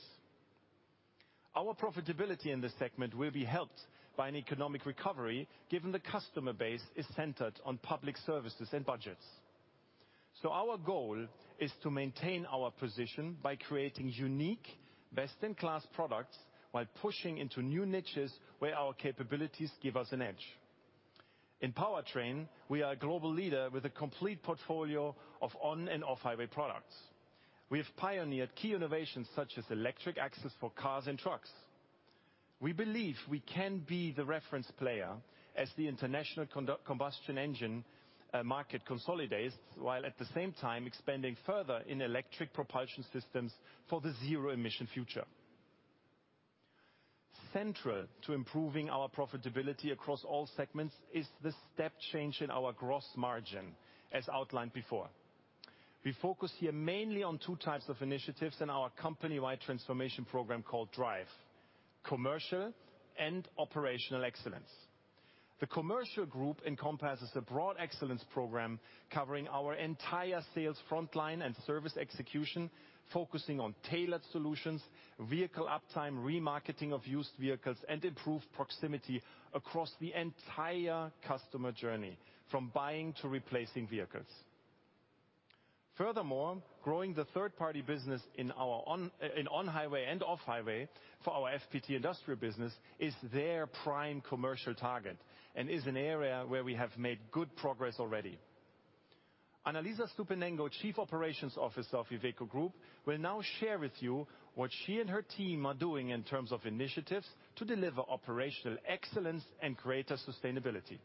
Our profitability in this segment will be helped by an economic recovery, given the customer base is centered on public services and budgets. Our goal is to maintain our position by creating unique, best-in-class products while pushing into new niches where our capabilities give us an edge. In powertrain, we are a global leader with a complete portfolio of on and off-highway products. We have pioneered key innovations, such as electric axles for cars and trucks. We believe we can be the reference player as the international combustion engine market consolidates, while at the same time expanding further in electric propulsion systems for the zero-emission future. Central to improving our profitability across all segments is the step change in our gross margin, as outlined before. We focus here mainly on two types of initiatives in our company-wide transformation program called DRIVE. Commercial and operational excellence. The commercial group encompasses a broad excellence program covering our entire sales frontline and service execution, focusing on tailored solutions, vehicle uptime, remarketing of used vehicles, and improved proximity across the entire customer journey from buying to replacing vehicles. Furthermore, growing the third-party business in our on-highway and off-highway for our FPT Industrial business is their prime commercial target and is an area where we have made good progress already. Annalisa Stupenengo, Chief Operations Officer of Iveco Group, will now share with you what she and her team are doing in terms of initiatives to deliver operational excellence and greater sustainability.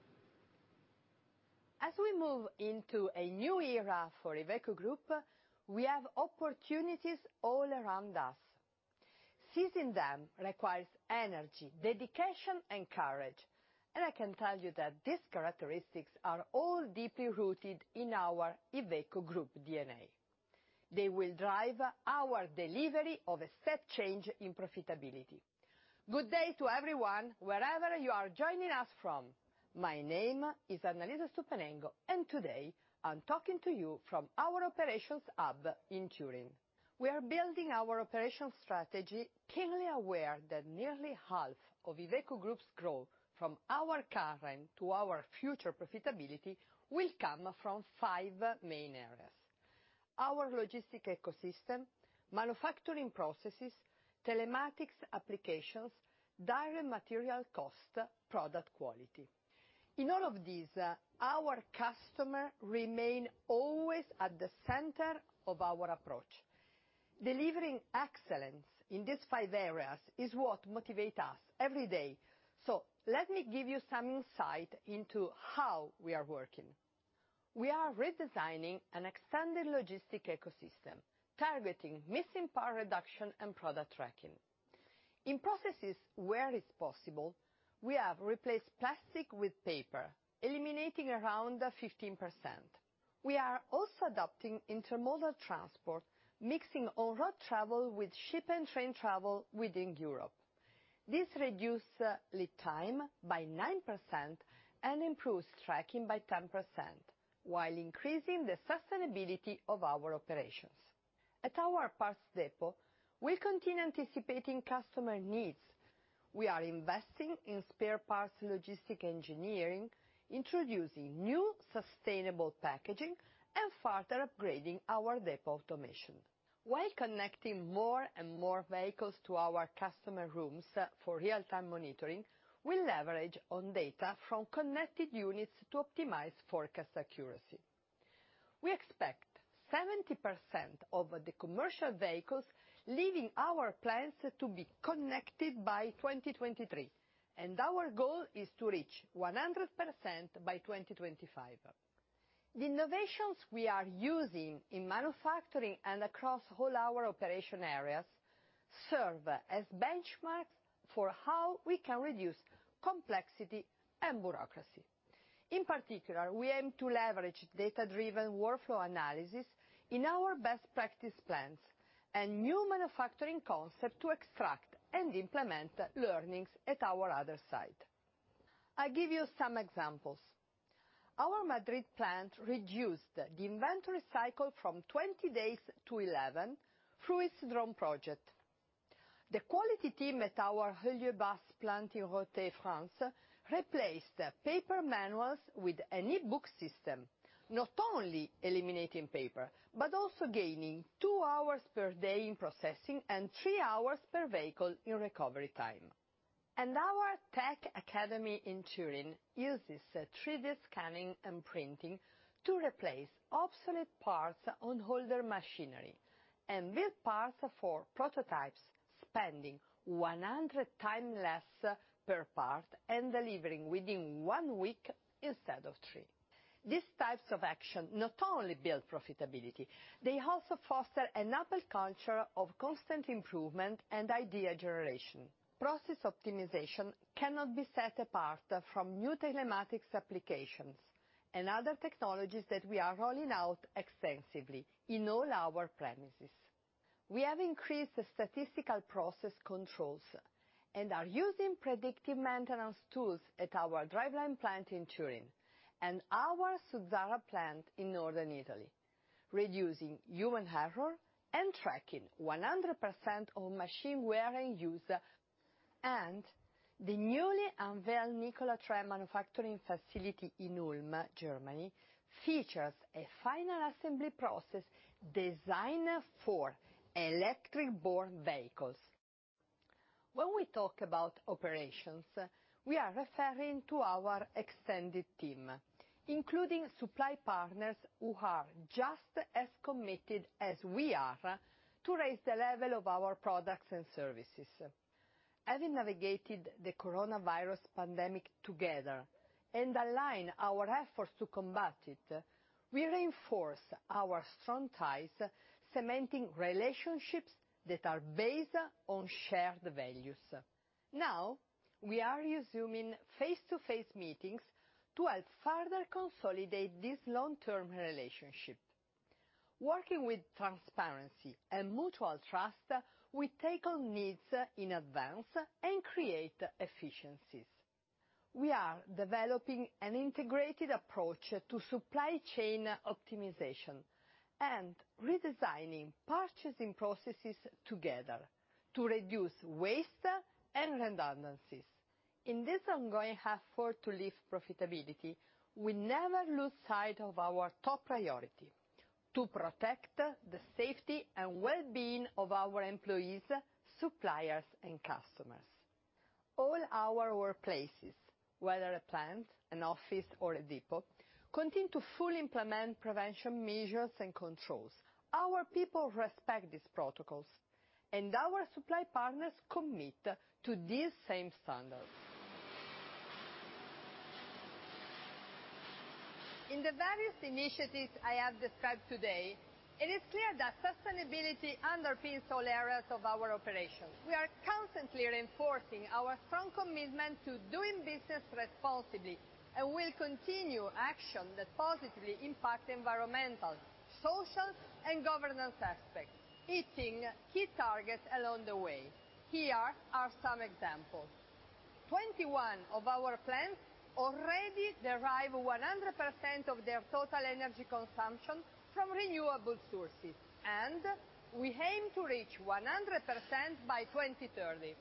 We move into a new era for Iveco Group. We have opportunities all around us. Seizing them requires energy, dedication, and courage, and I can tell you that these characteristics are all deeply rooted in our Iveco Group DNA. They will drive our delivery of a step change in profitability. Good day to everyone, wherever you are joining us from. My name is Annalisa Stupenengo, and today, I'm talking to you from our operations hub in Turin. We are building our operations strategy keenly aware that nearly half of Iveco Group's growth from our current to our future profitability will come from five main areas: our logistics ecosystem, manufacturing processes, telematics applications, direct material cost, product quality. In all of these, our customer remain always at the center of our approach. Delivering excellence in these five areas is what motivate us every day. Let me give you some insight into how we are working. We are redesigning an extended logistic ecosystem, targeting missing part reduction and product tracking. In processes where it's possible, we have replaced plastic with paper, eliminating around 15%. We are also adopting intermodal transport, mixing on-road travel with ship and train travel within Europe. This reduces lead time by 9% and improves tracking by 10% while increasing the sustainability of our operations. At our parts depot, we continue anticipating customer needs. We are investing in spare parts logistic engineering, introducing new sustainable packaging, and further upgrading our depot automation. While connecting more and more vehicles to our customer rooms for real-time monitoring, we leverage on data from connected units to optimize forecast accuracy. We expect 70% of the commercial vehicles leaving our plants to be connected by 2023, and our goal is to reach 100% by 2025. The innovations we are using in manufacturing and across all our operation areas serve as benchmarks for how we can reduce complexity and bureaucracy. In particular, we aim to leverage data-driven workflow analysis in our best practice plants and new manufacturing concept to extract and implement learnings at our other site. I give you some examples. Our Madrid plant reduced the inventory cycle from 20 days to 11 through its drone project. The quality team at our Heuliez Bus plant in Roanne, France, replaced paper manuals with an e-book system, not only eliminating paper, but also gaining two hours per day in processing and three hours per vehicle in recovery time. Our Tech Academy in Turin uses 3D scanning and printing to replace obsolete parts on older machinery and build parts for prototypes, spending 100x less per part and delivering within one week instead of three. These types of action not only build profitability, they also foster a culture of constant improvement and idea generation. Process optimization cannot be set apart from new telematics applications and other technologies that we are rolling out extensively in all our premises. We have increased the statistical process controls and are using predictive maintenance tools at our driveline plant in Turin and our Suzzara plant in northern Italy, reducing human error and tracking 100% of machine wear and use. The newly unveiled Nikola Tre manufacturing facility in Ulm, Germany, features a final assembly process designed for electric-borne vehicles. When we talk about operations, we are referring to our extended team, including supply partners who are just as committed as we are to raise the level of our products and services. Having navigated the coronavirus pandemic together and aligned our efforts to combat it, we reinforce our strong ties, cementing relationships that are based on shared values. Now, we are resuming face-to-face meetings to help further consolidate this long-term relationship. Working with transparency and mutual trust, we take on needs in advance and create efficiencies. We are developing an integrated approach to supply chain optimization and redesigning purchasing processes together to reduce waste and redundancies. In this ongoing effort to lift profitability, we never lose sight of our top priority, to protect the safety and well-being of our employees, suppliers, and customers. All our workplaces, whether a plant, an office, or a depot, continue to fully implement prevention measures and controls. Our people respect these protocols. Our supply partners commit to these same standards. In the various initiatives I have described today, it is clear that sustainability underpins all areas of our operations. We are constantly reinforcing our strong commitment to doing business responsibly, and we'll continue action that positively impact environmental, social, and governance aspects, hitting key targets along the way. Here are some examples. 21 of our plants already derive 100% of their total energy consumption from renewable sources, and we aim to reach 100% by 2030.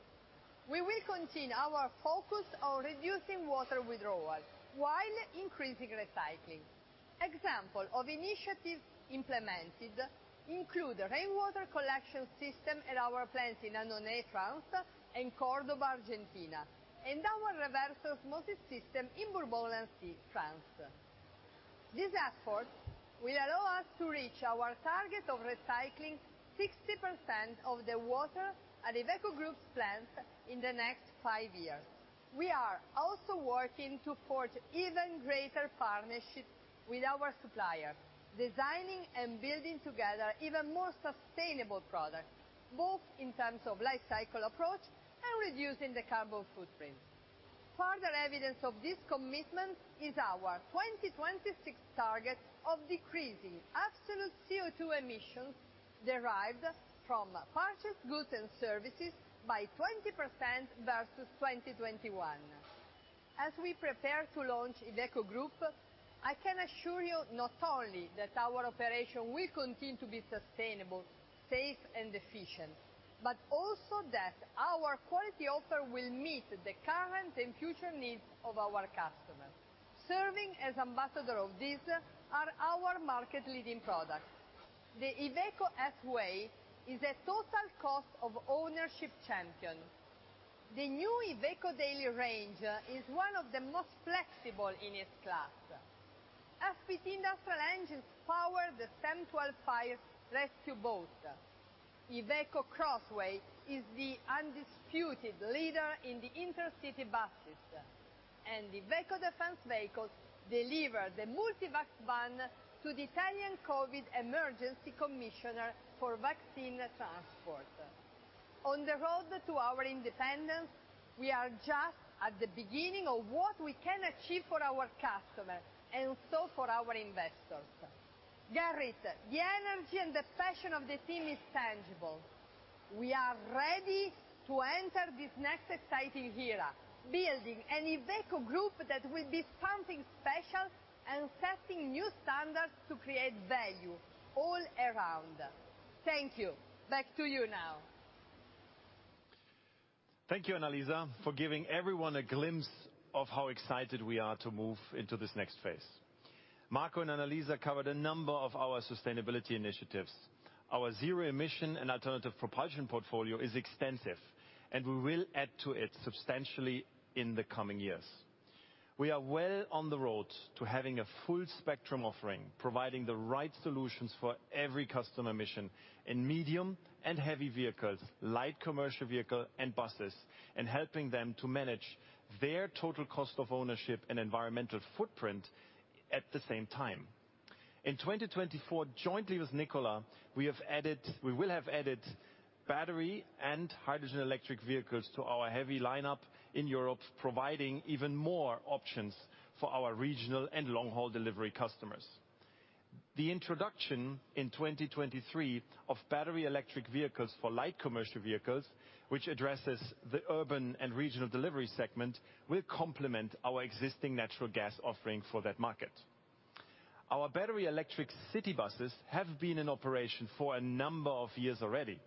We will continue our focus on reducing water withdrawal while increasing recycling. Example of initiatives implemented include rainwater collection system at our plants in Annonay, France and Córdoba, Argentina, and our reverse osmosis system in Bourg-en-Bresse, France. These efforts will allow us to reach our target of recycling 60% of the water at Iveco Group plants in the next five years. We are also working to forge even greater partnerships with our suppliers, designing and building together even more sustainable products, both in terms of life cycle approach and reducing the carbon footprint. Further evidence of this commitment is our 2026 target of decreasing absolute CO2 emissions derived from purchased goods and services by 20% versus 2021. As we prepare to launch Iveco Group, I can assure you not only that our operation will continue to be sustainable, safe and efficient, but also that our quality offer will meet the current and future needs of our customers. Serving as ambassador of this are our market-leading products. The Iveco S-Way is a total cost of ownership champion. The new Iveco Daily range is one of the most flexible in its class. FPT Industrial engines power the Semtual Fire rescue boat. Iveco Crossway is the undisputed leader in the intercity buses. Iveco Defence Vehicles deliver the Multivax van to the Italian COVID emergency commissioner for vaccine transport. On the road to our independence, we are just at the beginning of what we can achieve for our customers, and also for our investors. Gerrit, the energy and the passion of the team is tangible. We are ready to enter this next exciting era, building an Iveco Group that will be something special and setting new standards to create value all around. Thank you. Back to you now. Thank you, Annalisa, for giving everyone a glimpse of how excited we are to move into this next phase. Marco and Annalisa covered a number of our sustainability initiatives. Our zero-emission and alternative propulsion portfolio is extensive, and we will add to it substantially in the coming years. We are well on the road to having a full spectrum offering, providing the right solutions for every customer mission in medium and heavy vehicles, light commercial vehicle and buses, and helping them to manage their total cost of ownership and environmental footprint at the same time. In 2024, jointly with Nikola, we will have added battery and hydrogen electric vehicles to our heavy lineup in Europe, providing even more options for our regional and long-haul delivery customers. The introduction in 2023 of battery electric vehicles for light commercial vehicles, which addresses the urban and regional delivery segment, will complement our existing natural gas offering for that market. Our battery electric city buses have been in operation for a number of years already,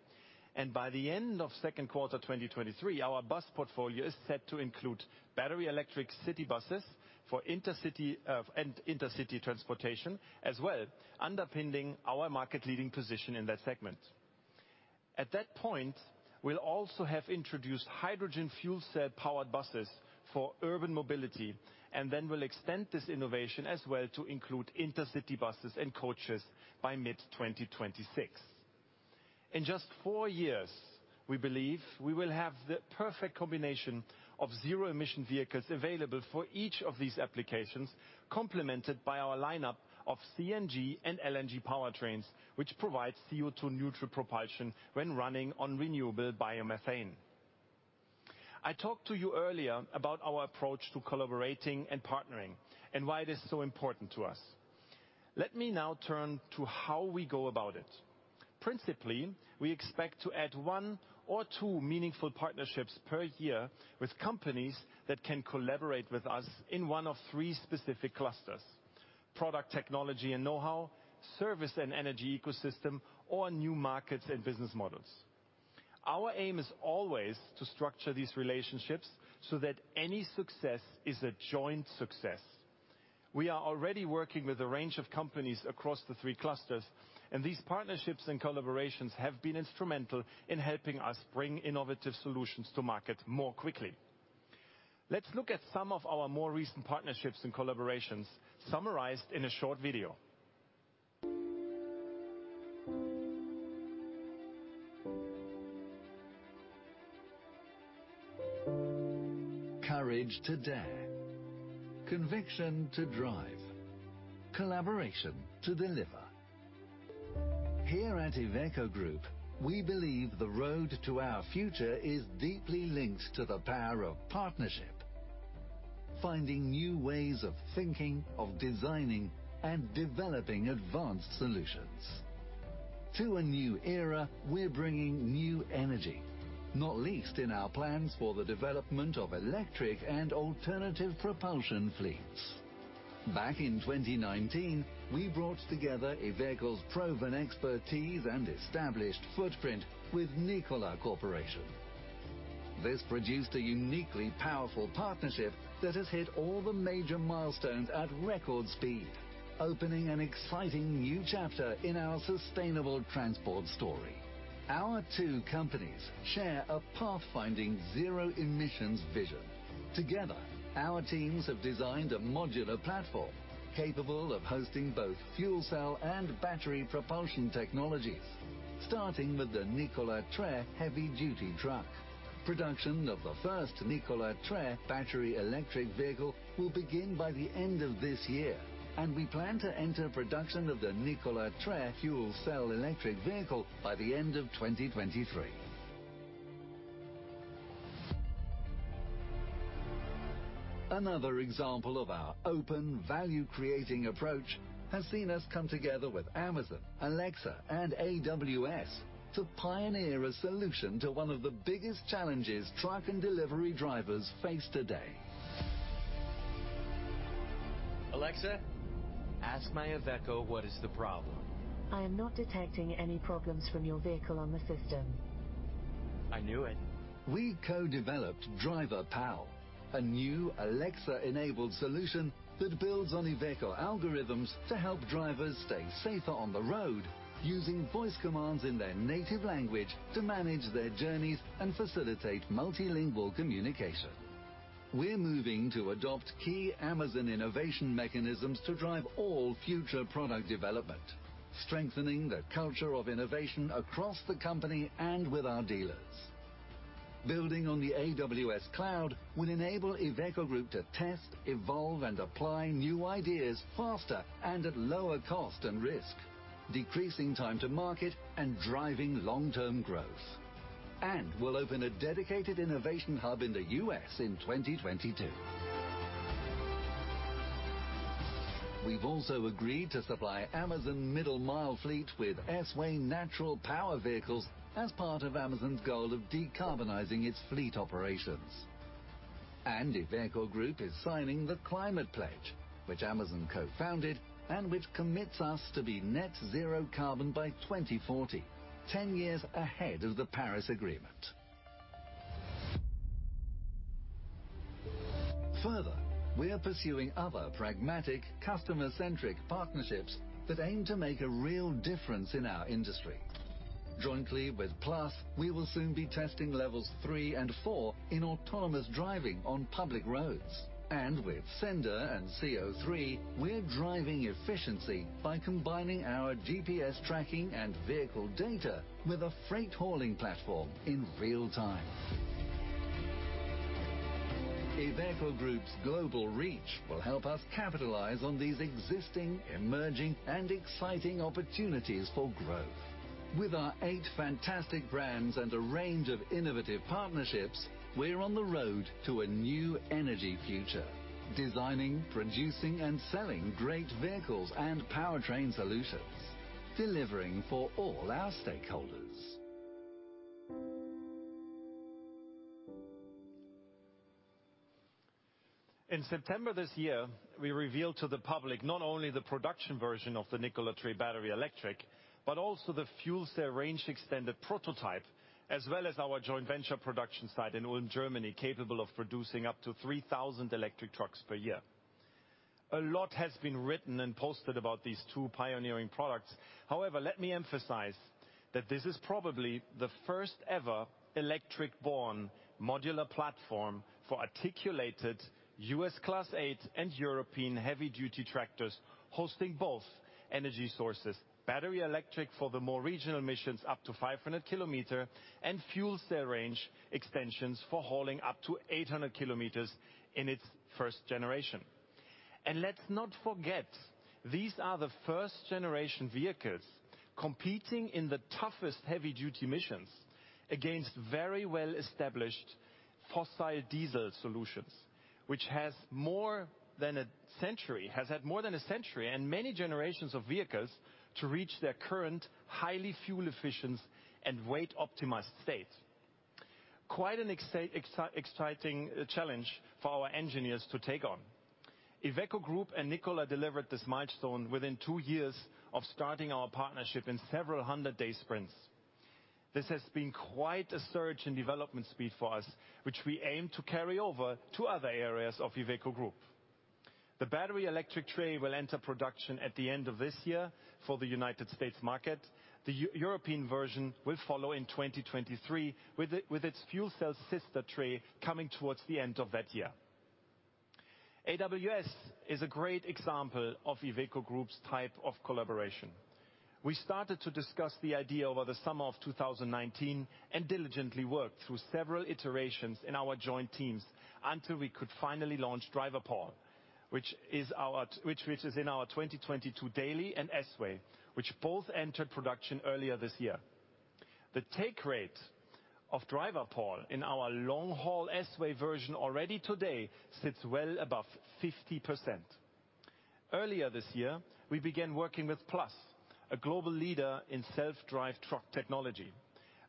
and by the end of second quarter 2023, our bus portfolio is set to include battery electric city buses for intercity and intercity transportation as well, underpinning our market-leading position in that segment. At that point, we'll also have introduced hydrogen fuel cell-powered buses for urban mobility, and then we'll extend this innovation as well to include intercity buses and coaches by mid-2026. In just four years, we believe we will have the perfect combination of zero-emission vehicles available for each of these applications, complemented by our lineup of CNG and LNG powertrains, which provide CO2-neutral propulsion when running on renewable biomethane. I talked to you earlier about our approach to collaborating and partnering and why it is so important to us. Let me now turn to how we go about it. Principally, we expect to add one or two meaningful partnerships per year with companies that can collaborate with us in one of three specific clusters: product technology and knowhow, service and energy ecosystem, or new markets and business models. Our aim is always to structure these relationships so that any success is a joint success. We are already working with a range of companies across the three clusters, and these partnerships and collaborations have been instrumental in helping us bring innovative solutions to market more quickly. Let's look at some of our more recent partnerships and collaborations summarized in a short video. Courage to dare. Conviction to drive. Collaboration to deliver. Here at Iveco Group, we believe the road to our future is deeply linked to the power of partnership. Finding new ways of thinking, of designing and developing advanced solutions. To a new era, we're bringing new energy, not least in our plans for the development of electric and alternative propulsion fleets. Back in 2019, we brought together Iveco's proven expertise and established footprint with Nikola Corporation. This produced a uniquely powerful partnership that has hit all the major milestones at record speed, opening an exciting new chapter in our sustainable transport story. Our two companies share a path-finding zero emissions vision. Together, our teams have designed a modular platform capable of hosting both fuel cell and battery propulsion technologies, starting with the Nikola Tre heavy-duty truck. Production of the first Nikola Tre battery electric vehicle will begin by the end of this year, and we plan to enter production of the Nikola Tre fuel cell electric vehicle by the end of 2023. Another example of our open value-creating approach has seen us come together with Amazon, Alexa, and AWS to pioneer a solution to one of the biggest challenges truck and delivery drivers face today. Alexa, ask my Iveco what is the problem. I am not detecting any problems from your vehicle on the system. I knew it. We co-developed Iveco Driver Pal, a new Alexa-enabled solution that builds on Iveco algorithms to help drivers stay safer on the road using voice commands in their native language to manage their journeys and facilitate multilingual communication. We're moving to adopt key Amazon innovation mechanisms to drive all future product development, strengthening the culture of innovation across the company and with our dealers. Building on the AWS cloud will enable Iveco Group to test, evolve, and apply new ideas faster and at lower cost and risk, decreasing time to market and driving long-term growth. We'll open a dedicated innovation hub in the U.S. in 2022. We've also agreed to supply Amazon Middle Mile fleet with S-Way natural power vehicles as part of Amazon's goal of decarbonizing its fleet operations. Iveco Group is signing The Climate Pledge, which Amazon co-founded, and which commits us to be net zero carbon by 2040, 10 years ahead of the Paris Agreement. Further, we are pursuing other pragmatic, customer-centric partnerships that aim to make a real difference in our industry. Jointly with Plus, we will soon be testing levels three and four in autonomous driving on public roads. With sennder and CO3, we're driving efficiency by combining our GPS tracking and vehicle data with a freight hauling platform in real time. Iveco Group's global reach will help us capitalize on these existing, emerging, and exciting opportunities for growth. With our eight fantastic brands and a range of innovative partnerships, we're on the road to a new energy future, designing, producing, and selling great vehicles and powertrain solutions, delivering for all our stakeholders. In September this year, we revealed to the public not only the production version of the Nikola Tre battery electric, but also the fuel cell range extended prototype, as well as our joint venture production site in Ulm, Germany, capable of producing up to 3,000 electric trucks per year. A lot has been written and posted about these two pioneering products. However, let me emphasize that this is probably the first ever electric-borne modular platform for articulated U.S. Class eight and European heavy-duty tractors, hosting both energy sources, battery electric for the more regional missions up to 500 km, and fuel cell range extensions for hauling up to 800 km in its first generation. Let's not forget, these are the first generation vehicles competing in the toughest heavy-duty missions against very well-established fossil diesel solutions, which has more than a century. has had more than a century and many generations of vehicles to reach their current highly fuel efficient and weight optimized state. Quite an exciting challenge for our engineers to take on. Iveco Group and Nikola delivered this milestone within two years of starting our partnership in several hundred day sprints. This has been quite a surge in development speed for us, which we aim to carry over to other areas of Iveco Group. The battery electric T-Way will enter production at the end of this year for the United States market. The European version will follow in 2023 with its fuel cell sister T-Way coming towards the end of that year. AWS is a great example of Iveco Group's type of collaboration. We started to discuss the idea over the summer of 2019 and diligently worked through several iterations in our joint teams until we could finally launch Driver Pal, which is in our 2022 Daily and S-Way, which both entered production earlier this year. The take rate of Driver Pal in our long-haul S-Way version already today sits well above 50%. Earlier this year, we began working with Plus, a global leader in self-driving truck technology.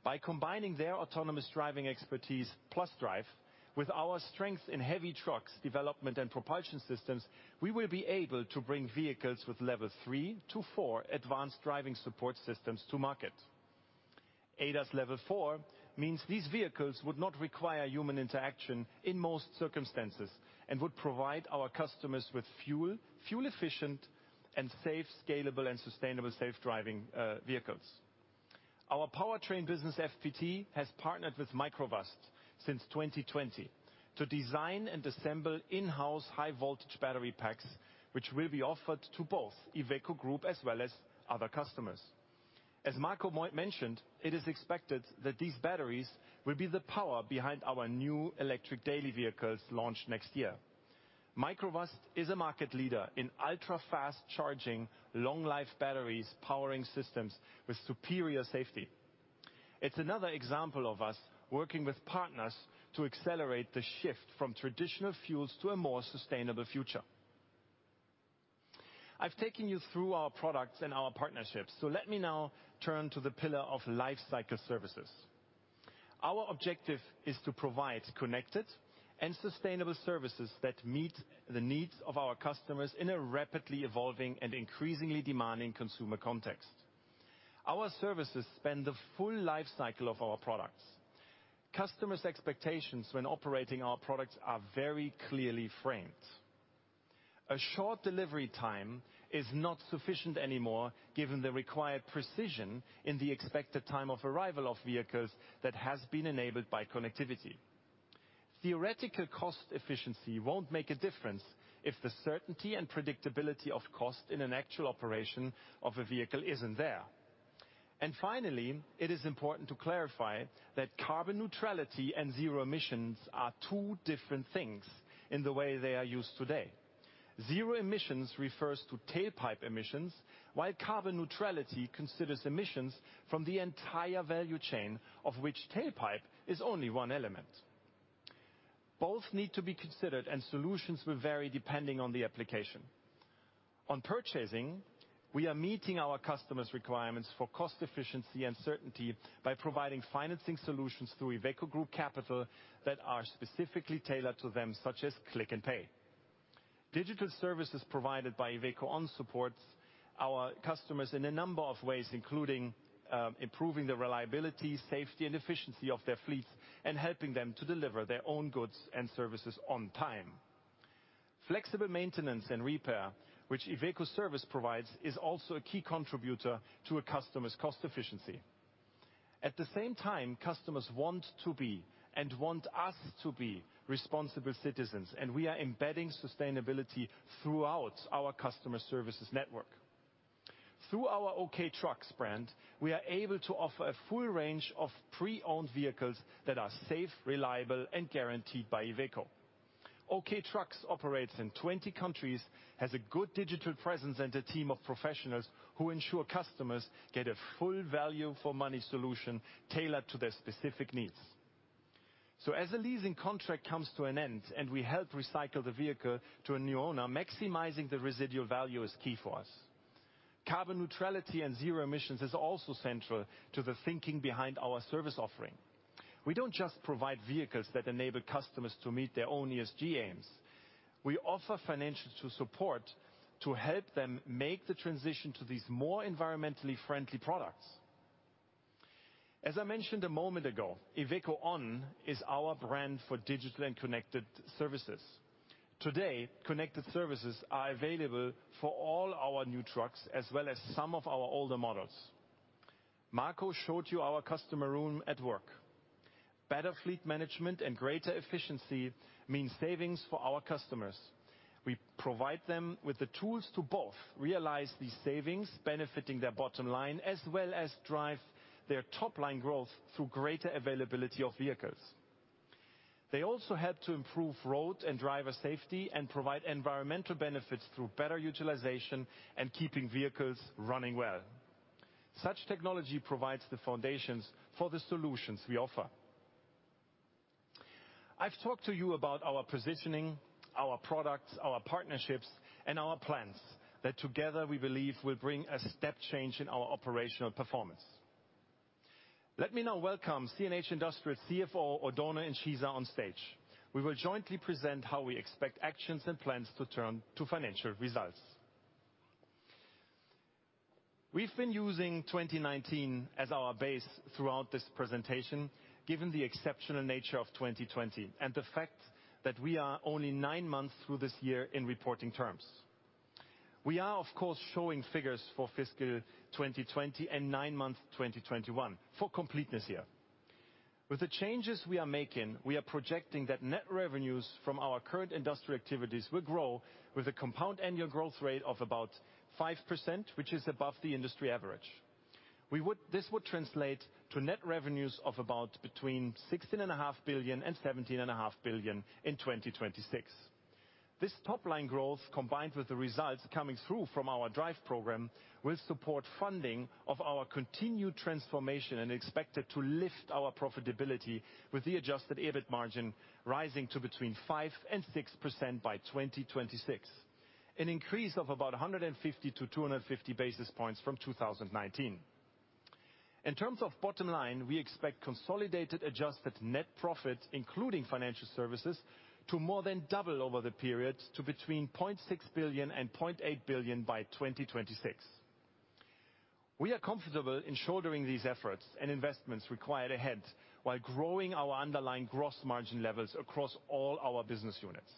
By combining their autonomous driving expertise, PlusDrive, with our strength in heavy trucks development and propulsion systems, we will be able to bring vehicles with level 3-4 advanced driving support systems to market. ADAS level four means these vehicles would not require human interaction in most circumstances and would provide our customers with fuel efficient, safe, scalable, and sustainable driving vehicles. Our powertrain business, FPT, has partnered with Microvast since 2020 to design and assemble in-house high voltage battery packs, which will be offered to both Iveco Group as well as other customers. As Marco Liccardo mentioned, it is expected that these batteries will be the power behind our new electric daily vehicles launch next year. Microvast is a market leader in ultra-fast charging, long life batteries, powering systems with superior safety. It's another example of us working with partners to accelerate the shift from traditional fuels to a more sustainable future. I've taken you through our products and our partnerships, so let me now turn to the pillar of lifecycle services. Our objective is to provide connected and sustainable services that meet the needs of our customers in a rapidly evolving and increasingly demanding consumer context. Our services span the full life cycle of our products. Customers' expectations when operating our products are very clearly framed. A short delivery time is not sufficient anymore given the required precision in the expected time of arrival of vehicles that has been enabled by connectivity. Theoretical cost efficiency won't make a difference if the certainty and predictability of cost in an actual operation of a vehicle isn't there. Finally, it is important to clarify that carbon neutrality and zero emissions are two different things in the way they are used today. Zero emissions refers to tailpipe emissions, while carbon neutrality considers emissions from the entire value chain, of which tailpipe is only one element. Both need to be considered, and solutions will vary depending on the application. On purchasing, we are meeting our customers' requirements for cost efficiency and certainty by providing financing solutions through IVECO CAPITAL that are specifically tailored to them, such as Click and Pay. Digital services provided by IVECO ON supports our customers in a number of ways, including improving the reliability, safety, and efficiency of their fleets and helping them to deliver their own goods and services on time. Flexible maintenance and repair, which Iveco Service provides, is also a key contributor to a customer's cost efficiency. At the same time, customers want to be, and want us to be, responsible citizens, and we are embedding sustainability throughout our customer services network. Through our OK TRUCKS brand, we are able to offer a full range of pre-owned vehicles that are safe, reliable, and guaranteed by Iveco. OK TRUCKS operates in 20 countries, has a good digital presence, and a team of professionals who ensure customers get a full value for money solution tailored to their specific needs. As a leasing contract comes to an end, and we help recycle the vehicle to a new owner, maximizing the residual value is key for us. Carbon neutrality and zero emissions is also central to the thinking behind our service offering. We don't just provide vehicles that enable customers to meet their own ESG aims. We offer financial support to help them make the transition to these more environmentally friendly products. As I mentioned a moment ago, IVECO ON is our brand for digital and connected services. Today, connected services are available for all our new trucks as well as some of our older models. Marco showed you our customer room at work. Better fleet management and greater efficiency means savings for our customers. We provide them with the tools to both realize these savings, benefiting their bottom line, as well as drive their top-line growth through greater availability of vehicles. They also help to improve road and driver safety and provide environmental benefits through better utilization and keeping vehicles running well. Such technology provides the foundations for the solutions we offer. I've talked to you about our positioning, our products, our partnerships, and our plans that together we believe will bring a step change in our operational performance. Let me now welcome CNH Industrial CFO, Oddone Incisa, on stage. We will jointly present how we expect actions and plans to turn to financial results. We've been using 2019 as our base throughout this presentation, given the exceptional nature of 2020 and the fact that we are only nine months through this year in reporting terms. We are of course showing figures for fiscal 2020 and nine months, 2021 for completeness here. With the changes we are making, we are projecting that net revenues from our current industrial activities will grow with a compound annual growth rate of about 5%, which is above the industry average. This would translate to net revenues of about between 16.5 billion and 17.5 billion in 2026. This top-line growth, combined with the results coming through from our DRIVE program, will support funding of our continued transformation and expected to lift our profitability with the adjusted EBIT margin rising to between 5% and 6% by 2026. An increase of about 150 to 250 basis points from 2019. In terms of bottom line, we expect consolidated adjusted net profit, including financial services, to more than double over the period to between 0.6 billion and 0.8 billion by 2026. We are comfortable in shouldering these efforts and investments required ahead while growing our underlying gross margin levels across all our business units.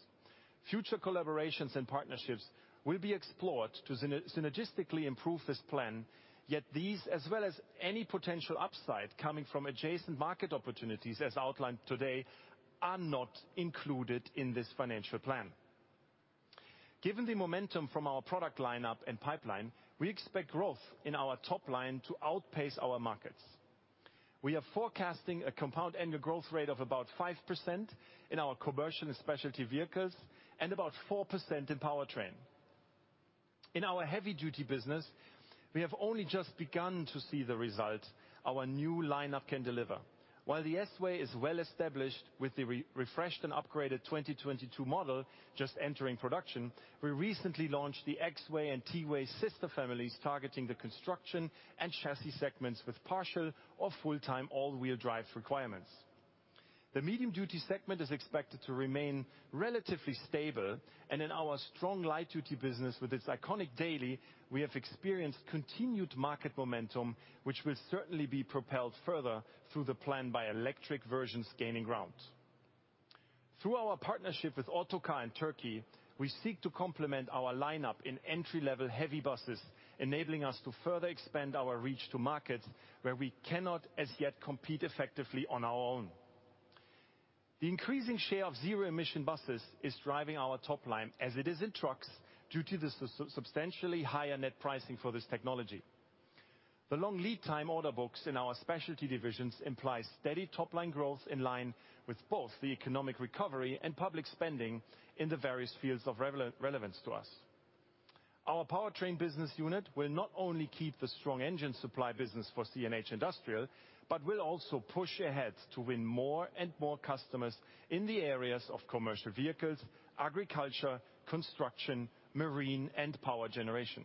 Future collaborations and partnerships will be explored to synergistically improve this plan. Yet these, as well as any potential upside coming from adjacent market opportunities as outlined today, are not included in this financial plan. Given the momentum from our product lineup and pipeline, we expect growth in our top line to outpace our markets. We are forecasting a compound annual growth rate of about 5% in our commercial and specialty vehicles and about 4% in powertrain. In our heavy duty business, we have only just begun to see the results our new lineup can deliver. While the S-Way is well established with the refreshed and upgraded 2022 model just entering production, we recently launched the X-Way and T-Way sister families, targeting the construction and chassis segments with partial or full-time all-wheel drive requirements. The medium duty segment is expected to remain relatively stable, and in our strong light duty business with its iconic Daily, we have experienced continued market momentum, which will certainly be propelled further through the plan by electric versions gaining ground. Through our partnership with Otokar in Turkey, we seek to complement our lineup in entry-level heavy buses, enabling us to further expand our reach to markets where we cannot as yet compete effectively on our own. The increasing share of zero-emission buses is driving our top line as it is in trucks due to the substantially higher net pricing for this technology. The long lead time order books in our specialty divisions implies steady top line growth in line with both the economic recovery and public spending in the various fields of relevance to us. Our powertrain business unit will not only keep the strong engine supply business for CNH Industrial, but will also push ahead to win more and more customers in the areas of commercial vehicles, agriculture, construction, marine and power generation.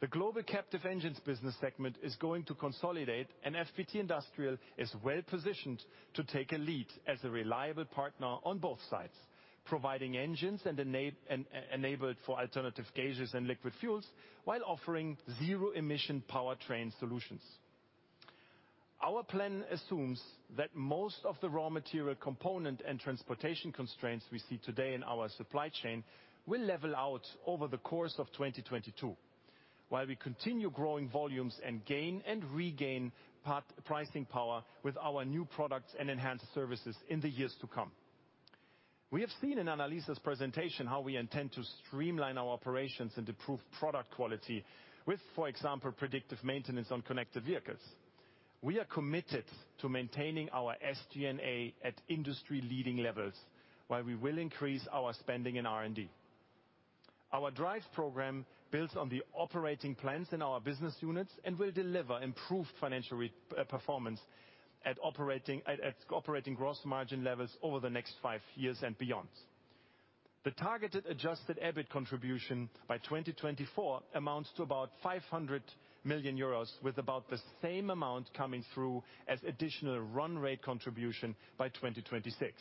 The global captive engines business segment is going to consolidate, and FPT Industrial is well-positioned to take a lead as a reliable partner on both sides, providing engines and enabled for alternative gases and liquid fuels, while offering zero-emission powertrain solutions. Our plan assumes that most of the raw material component and transportation constraints we see today in our supply chain will level out over the course of 2022, while we continue growing volumes and gain and regain part pricing power with our new products and enhanced services in the years to come. We have seen in Annalisa's presentation how we intend to streamline our operations and improve product quality with, for example, predictive maintenance on connected vehicles. We are committed to maintaining our SG&A at industry leading levels, while we will increase our spending in R&D. Our DRIVE program builds on the operating plans in our business units and will deliver improved financial performance at operating gross margin levels over the next five years and beyond. The targeted adjusted EBIT contribution by 2024 amounts to about 500 million euros, with about the same amount coming through as additional run rate contribution by 2026.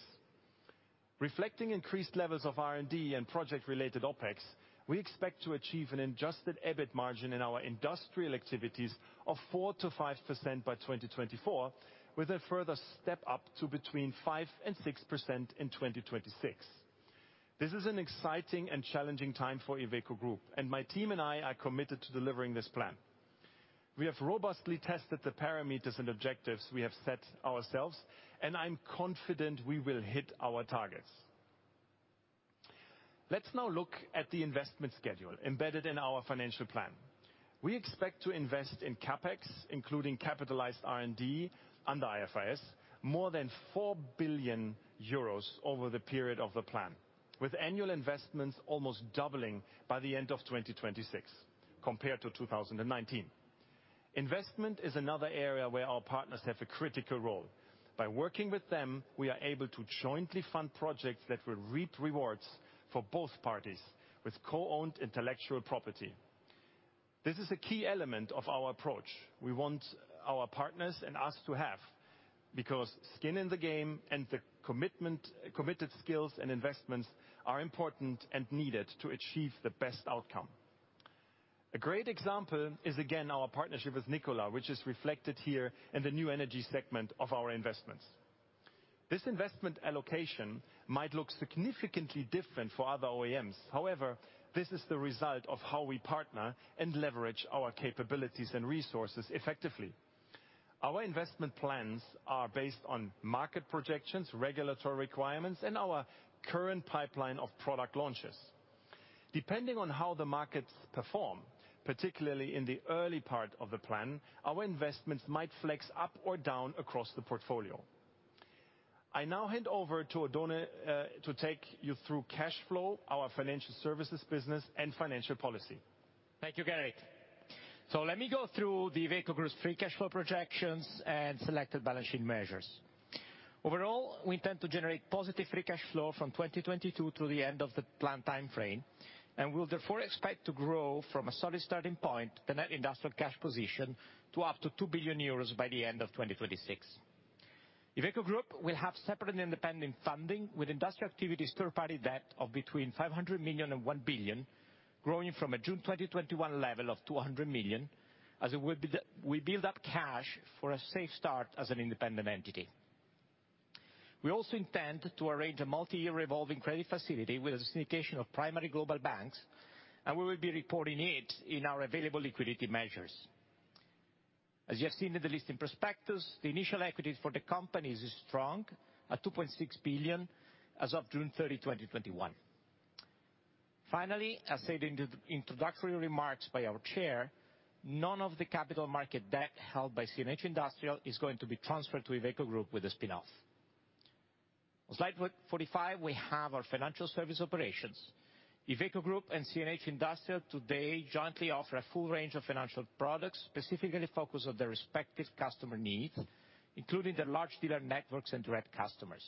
Reflecting increased levels of R&D and project related OpEx, we expect to achieve an adjusted EBIT margin in our industrial activities of 4%-5% by 2024, with a further step up to between 5% and 6% in 2026. This is an exciting and challenging time for Iveco Group, and my team and I are committed to delivering this plan. We have robustly tested the parameters and objectives we have set ourselves, and I'm confident we will hit our targets. Let's now look at the investment schedule embedded in our financial plan. We expect to invest in CapEx, including capitalized R&D under IFRS, more than 4 billion euros over the period of the plan, with annual investments almost doubling by the end of 2026 compared to 2019. Investment is another area where our partners have a critical role. By working with them, we are able to jointly fund projects that will reap rewards for both parties with co-owned intellectual property. This is a key element of our approach. We want our partners and us to have skin in the game and the commitment. Committed skills and investments are important and needed to achieve the best outcome. A great example is, again, our partnership with Nikola, which is reflected here in the new energy segment of our investments. This investment allocation might look significantly different for other OEMs. However, this is the result of how we partner and leverage our capabilities and resources effectively. Our investment plans are based on market projections, regulatory requirements, and our current pipeline of product launches. Depending on how the markets perform, particularly in the early part of the plan, our investments might flex up or down across the portfolio. I now hand over to Oddone to take you through cash flow, our financial services business and financial policy. Thank you, Gerrit. Let me go through the Iveco Group's free cash flow projections and selected balance sheet measures. Overall, we intend to generate positive free cash flow from 2022 to the end of the plan timeframe, and we will therefore expect to grow from a solid starting point, the Net Industrial cash position, to up to 2 billion euros by the end of 2026. Iveco Group will have separate and independent funding with Industrial activities third-party debt of between 500 million and 1 billion, growing from a June 2021 level of 200 million, we build up cash for a safe start as an independent entity. We also intend to arrange a multi-year revolving credit facility with a designation of primary global banks, and we will be reporting it in our available liquidity measures. As you have seen in the listing prospectus, the initial equity for the company is strong, at 2.6 billion as of June 30, 2021. Finally, as stated in the introductory remarks by our chair, none of the capital market debt held by CNH Industrial is going to be transferred to Iveco Group with the spin-off. On slide 45, we have our financial service operations. Iveco Group and CNH Industrial today jointly offer a full range of financial products, specifically focused on their respective customer needs, including their large dealer networks and direct customers.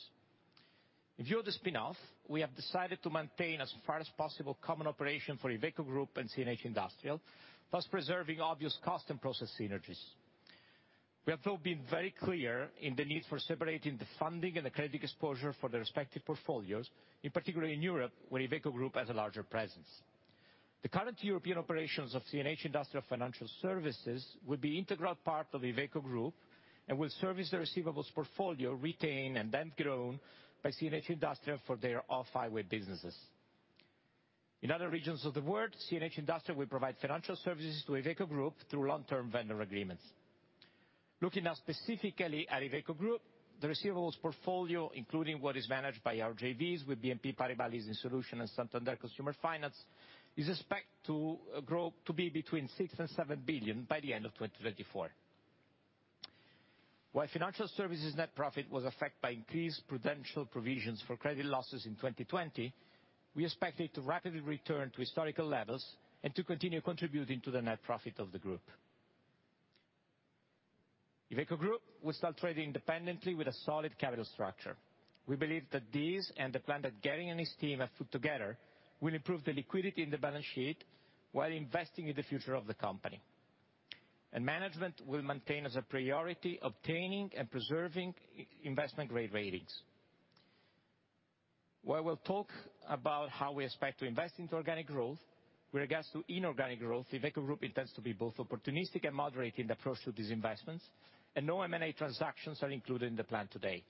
In view of the spin-off, we have decided to maintain as far as possible common operation for Iveco Group and CNH Industrial, thus preserving obvious cost and process synergies. We have, though, been very clear in the need for separating the funding and the credit exposure for the respective portfolios, in particular in Europe, where Iveco Group has a larger presence. The current European operations of CNH Industrial Financial Services will be integral part of Iveco Group and will service the receivables portfolio retained and then grown by CNH Industrial for their off-highway businesses. In other regions of the world, CNH Industrial will provide financial services to Iveco Group through long-term vendor agreements. Looking now specifically at Iveco Group, the receivables portfolio, including what is managed by our JVs with BNP Paribas Leasing Solutions and Santander Consumer Finance, is expected to grow to be between 6 billion and 7 billion by the end of 2024. While financial services net profit was affected by increased prudential provisions for credit losses in 2020, we expect it to rapidly return to historical levels and to continue contributing to the net profit of the group. Iveco Group will start trading independently with a solid capital structure. We believe that these and the plan that Gerrit and his team have put together will improve the liquidity in the balance sheet while investing in the future of the company. Management will maintain as a priority obtaining and preserving investment grade ratings. While we'll talk about how we expect to invest into organic growth, with regards to inorganic growth, Iveco Group intends to be both opportunistic and moderate in the approach to these investments, and no M&A transactions are included in the plan today.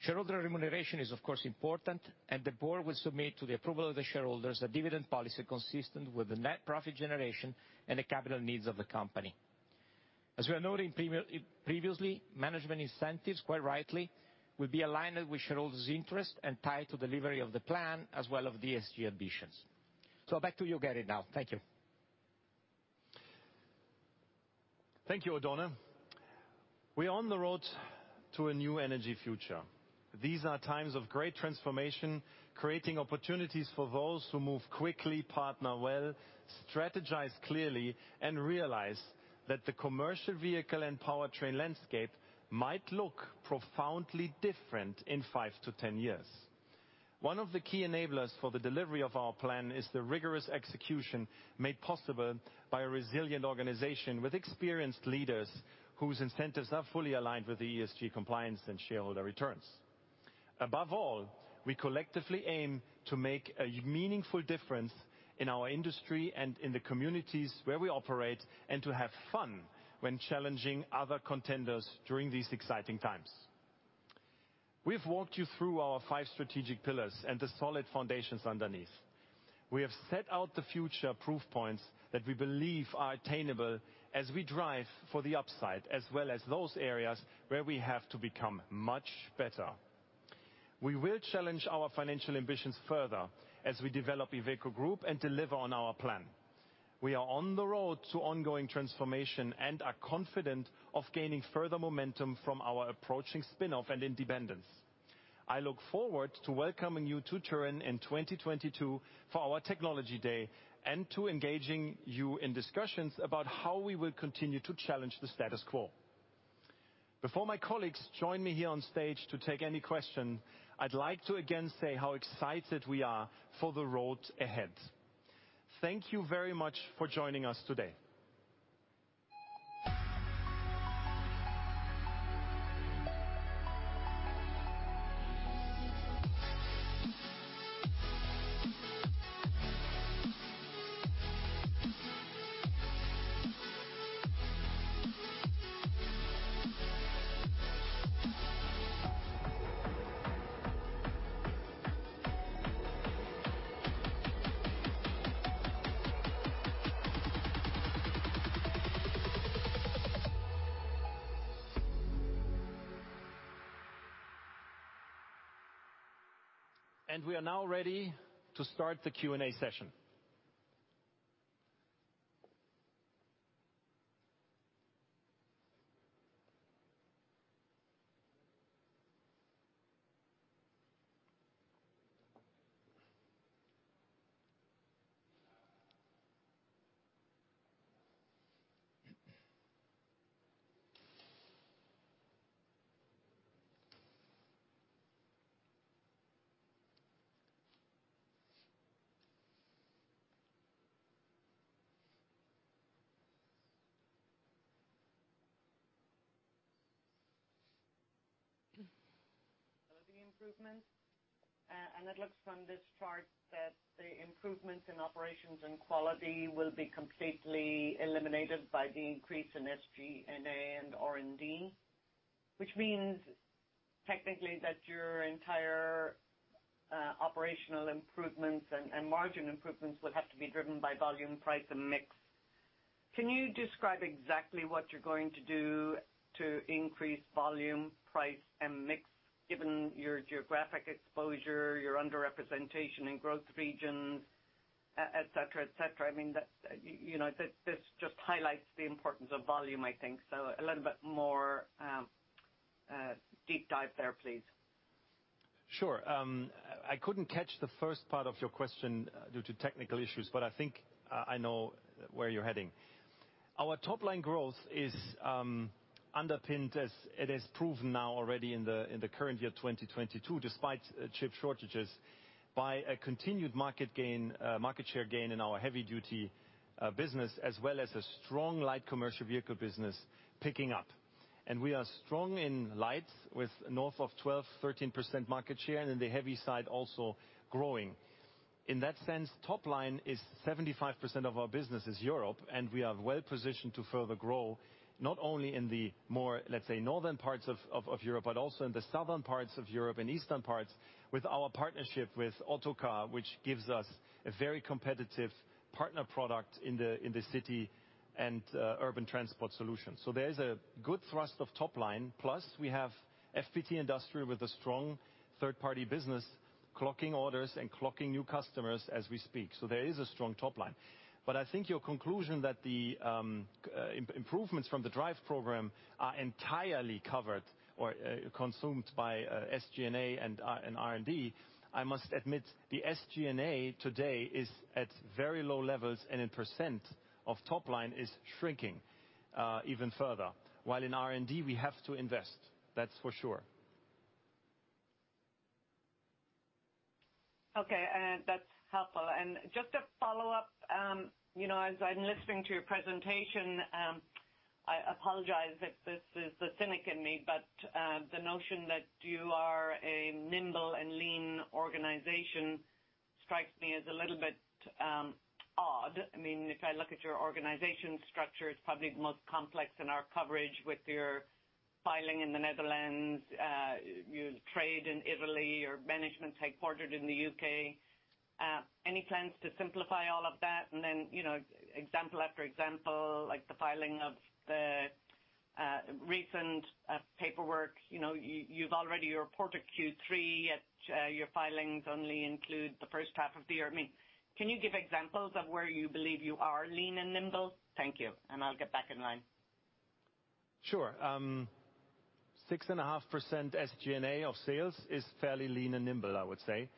Shareholder remuneration is of course important, and the board will submit to the approval of the shareholders a dividend policy consistent with the net profit generation and the capital needs of the company. As we are noting previously, management incentives, quite rightly, will be aligned with shareholders' interest and tied to delivery of the plan as well as the ESG ambitions. Back to you, Gerrit, now. Thank you. Thank you, Oddone. We are on the road to a new energy future. These are times of great transformation, creating opportunities for those who move quickly, partner well, strategize clearly, and realize that the commercial vehicle and powertrain landscape might look profoundly different in five to 10 years. One of the key enablers for the delivery of our plan is the rigorous execution made possible by a resilient organization with experienced leaders whose incentives are fully aligned with the ESG compliance and shareholder returns. Above all, we collectively aim to make a meaningful difference in our industry and in the communities where we operate and to have fun when challenging other contenders during these exciting times. We've walked you through our five strategic pillars and the solid foundations underneath. We have set out the future proof points that we believe are attainable as we drive for the upside as well as those areas where we have to become much better. We will challenge our financial ambitions further as we develop Iveco Group and deliver on our plan. We are on the road to ongoing transformation and are confident of gaining further momentum from our approaching spin-off and independence. I look forward to welcoming you to Turin in 2022 for our technology day and to engaging you in discussions about how we will continue to challenge the status quo. Before my colleagues join me here on stage to take any question, I'd like to again say how excited we are for the road ahead. Thank you very much for joining us today. We are now ready to start the Q&A session. Improvement. It looks from this chart that the improvements in operations and quality will be completely eliminated by the increase in SG&A and R&D. Which means technically that your entire operational improvements and margin improvements would have to be driven by volume, price and mix. Can you describe exactly what you're going to do to increase volume, price and mix, given your geographic exposure, your under-representation in growth regions, et cetera, et cetera? I mean, that, you know, this just highlights the importance of volume, I think. A little bit more deep dive there, please. Sure. I couldn't catch the first part of your question due to technical issues, but I think I know where you're heading. Our top line growth is underpinned, as it has proven now already in the current year, 2022, despite chip shortages, by a continued market gain, market share gain in our heavy-duty business, as well as a strong light commercial vehicle business picking up. We are strong in light with north of 12-13% market share, and in the heavy side also growing. In that sense, top line is 75% of our business is Europe, and we are well positioned to further grow, not only in the more, let's say, northern parts of Europe, but also in the southern parts of Europe and eastern parts with our partnership with Otokar, which gives us a very competitive partner product in the city and urban transport solutions. There is a good thrust of top line, plus we have FPT Industrial with a strong third-party business clocking orders and clocking new customers as we speak. There is a strong top line. I think your conclusion that the improvements from the DRIVE program are entirely covered or consumed by SG&A and R&D. I must admit, the SG&A today is at very low levels, and in percent of top line is shrinking even further, while in R&D, we have to invest, that's for sure. Okay. That's helpful. Just a follow-up, you know, as I'm listening to your presentation, I apologize if this is the cynic in me, but the notion that you are a nimble and lean organization strikes me as a little bit odd. I mean, if I look at your organization structure, it's probably the most complex in our coverage with your filing in the Netherlands, you trade in Italy, your management's headquartered in the U.K. Any plans to simplify all of that? You know, example after example, like the filing of the recent paperwork, you know, you've already reported Q3, your filings only include the first half of the year. I mean, can you give examples of where you believe you are lean and nimble? Thank you, and I'll get back in line. Sure. 6.5% SG&A of sales is fairly lean and nimble, I would say.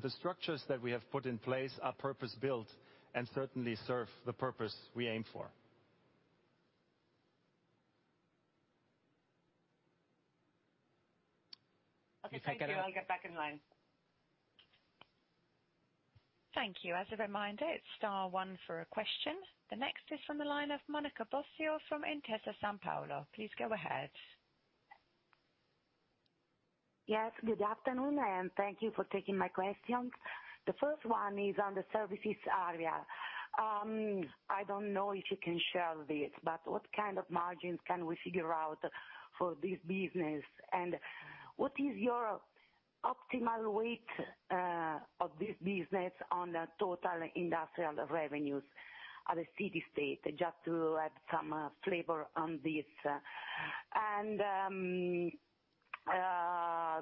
The structures that we have put in place are purpose-built and certainly serve the purpose we aim for. Okay. Thank you. I'll get back in line. Thank you. As a reminder, it's star one for a question. The next is from the line of Monica Bosio from Intesa Sanpaolo. Please go ahead. Yes, good afternoon, and thank you for taking my question. The first one is on the services area. I don't know if you can share this, but what kind of margins can we figure out for this business? And what is your optimal weight of this business on the total industrial revenues at a steady state? Just to add some flavor on this.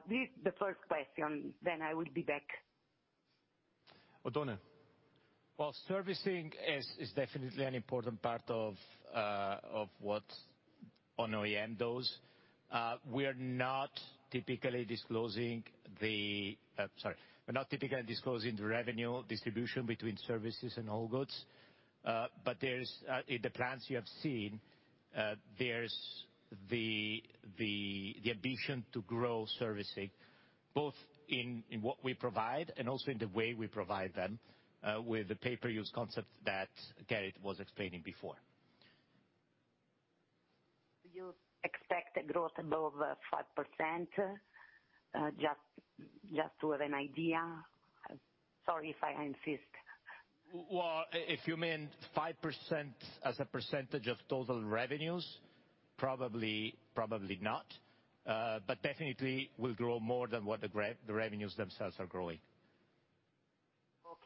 This is the first question, then I will be back. Oddone. Well, servicing is definitely an important part of what IVECO ON does. We're not typically disclosing the revenue distribution between services and all goods, but there's in the plans you have seen, there's the ambition to grow servicing, both in what we provide and also in the way we provide them with the pay-per-use concept that Gerrit was explaining before. You expect a growth above 5%, just to have an idea? Sorry if I insist. Well, if you mean 5% as a percentage of total revenues, probably not. Definitely will grow more than what the revenues themselves are growing.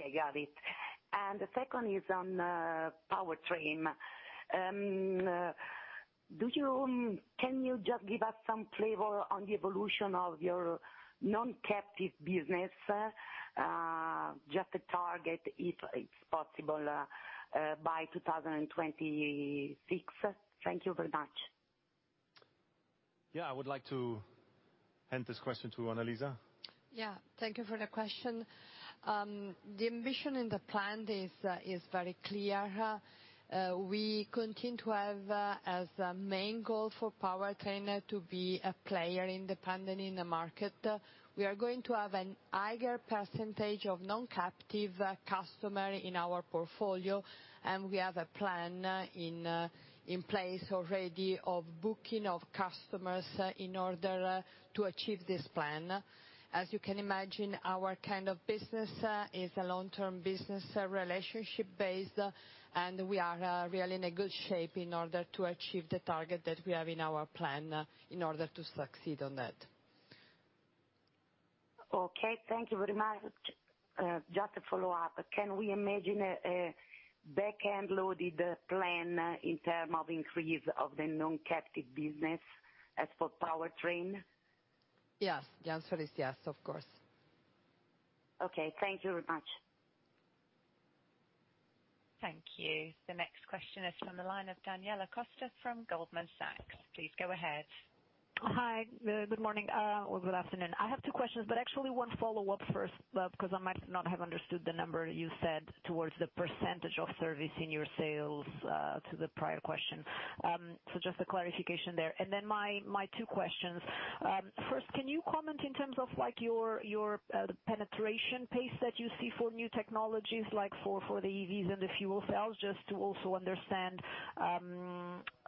Okay, got it. The second is on powertrain. Can you just give us some flavor on the evolution of your non-captive business? Just a target, if it's possible, by 2026. Thank you very much. Yeah, I would like to hand this question to Annalisa. Yeah, thank you for the question. The ambition in the plan is very clear. We continue to have, as a main goal for powertrain, to be a player independent in the market. We are going to have an higher percentage of non-captive customer in our portfolio, and we have a plan in place already of booking of customers in order to achieve this plan. As you can imagine, our kind of business is a long-term business, relationship-based, and we are really in a good shape in order to achieve the target that we have in our plan in order to succeed on that. Okay, thank you very much. Just to follow up, can we imagine a back-end loaded plan in terms of increase of the non-captive business as for powertrain? Yes. The answer is yes, of course. Okay, thank you very much. Thank you. The next question is from the line of Daniela Costa from Goldman Sachs. Please go ahead. Hi, good morning or good afternoon. I have two questions, but actually one follow-up first, because I might not have understood the number you said towards the percentage of service in your sales to the prior question. So just a clarification there. Then my two questions. First, can you comment in terms of, like, the penetration pace that you see for new technologies, like for the EVs and the fuel cells, just to also understand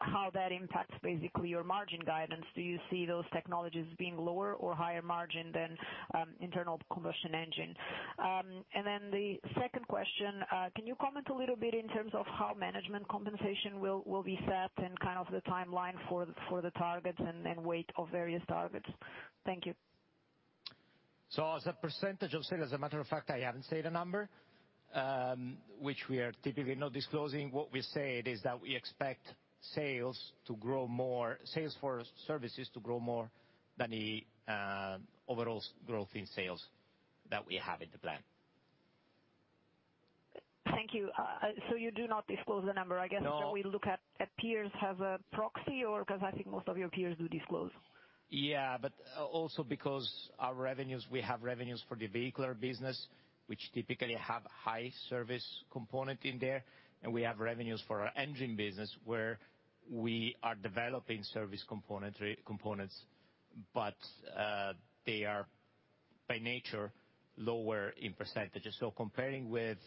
how that impacts basically your margin guidance? Do you see those technologies being lower or higher margin than internal combustion engine? Then the second question, can you comment a little bit in terms of how management compensation will be set and kind of the timeline for the targets and weight of various targets? Thank you. As a percentage of sales, as a matter of fact, I haven't said a number, which we are typically not disclosing. What we said is that we expect sales to grow more, sales for services to grow more than the overall growth in sales that we have in the plan. Thank you. You do not disclose the number, I guess. No. Shall we look at what peers have as a proxy or. Because I think most of your peers do disclose. Yeah, but also because our revenues, we have revenues for the vehicular business, which typically have high service component in there, and we have revenues for our engine business, where we are developing service componentry, components, but they are by nature lower in percentage. Comparing with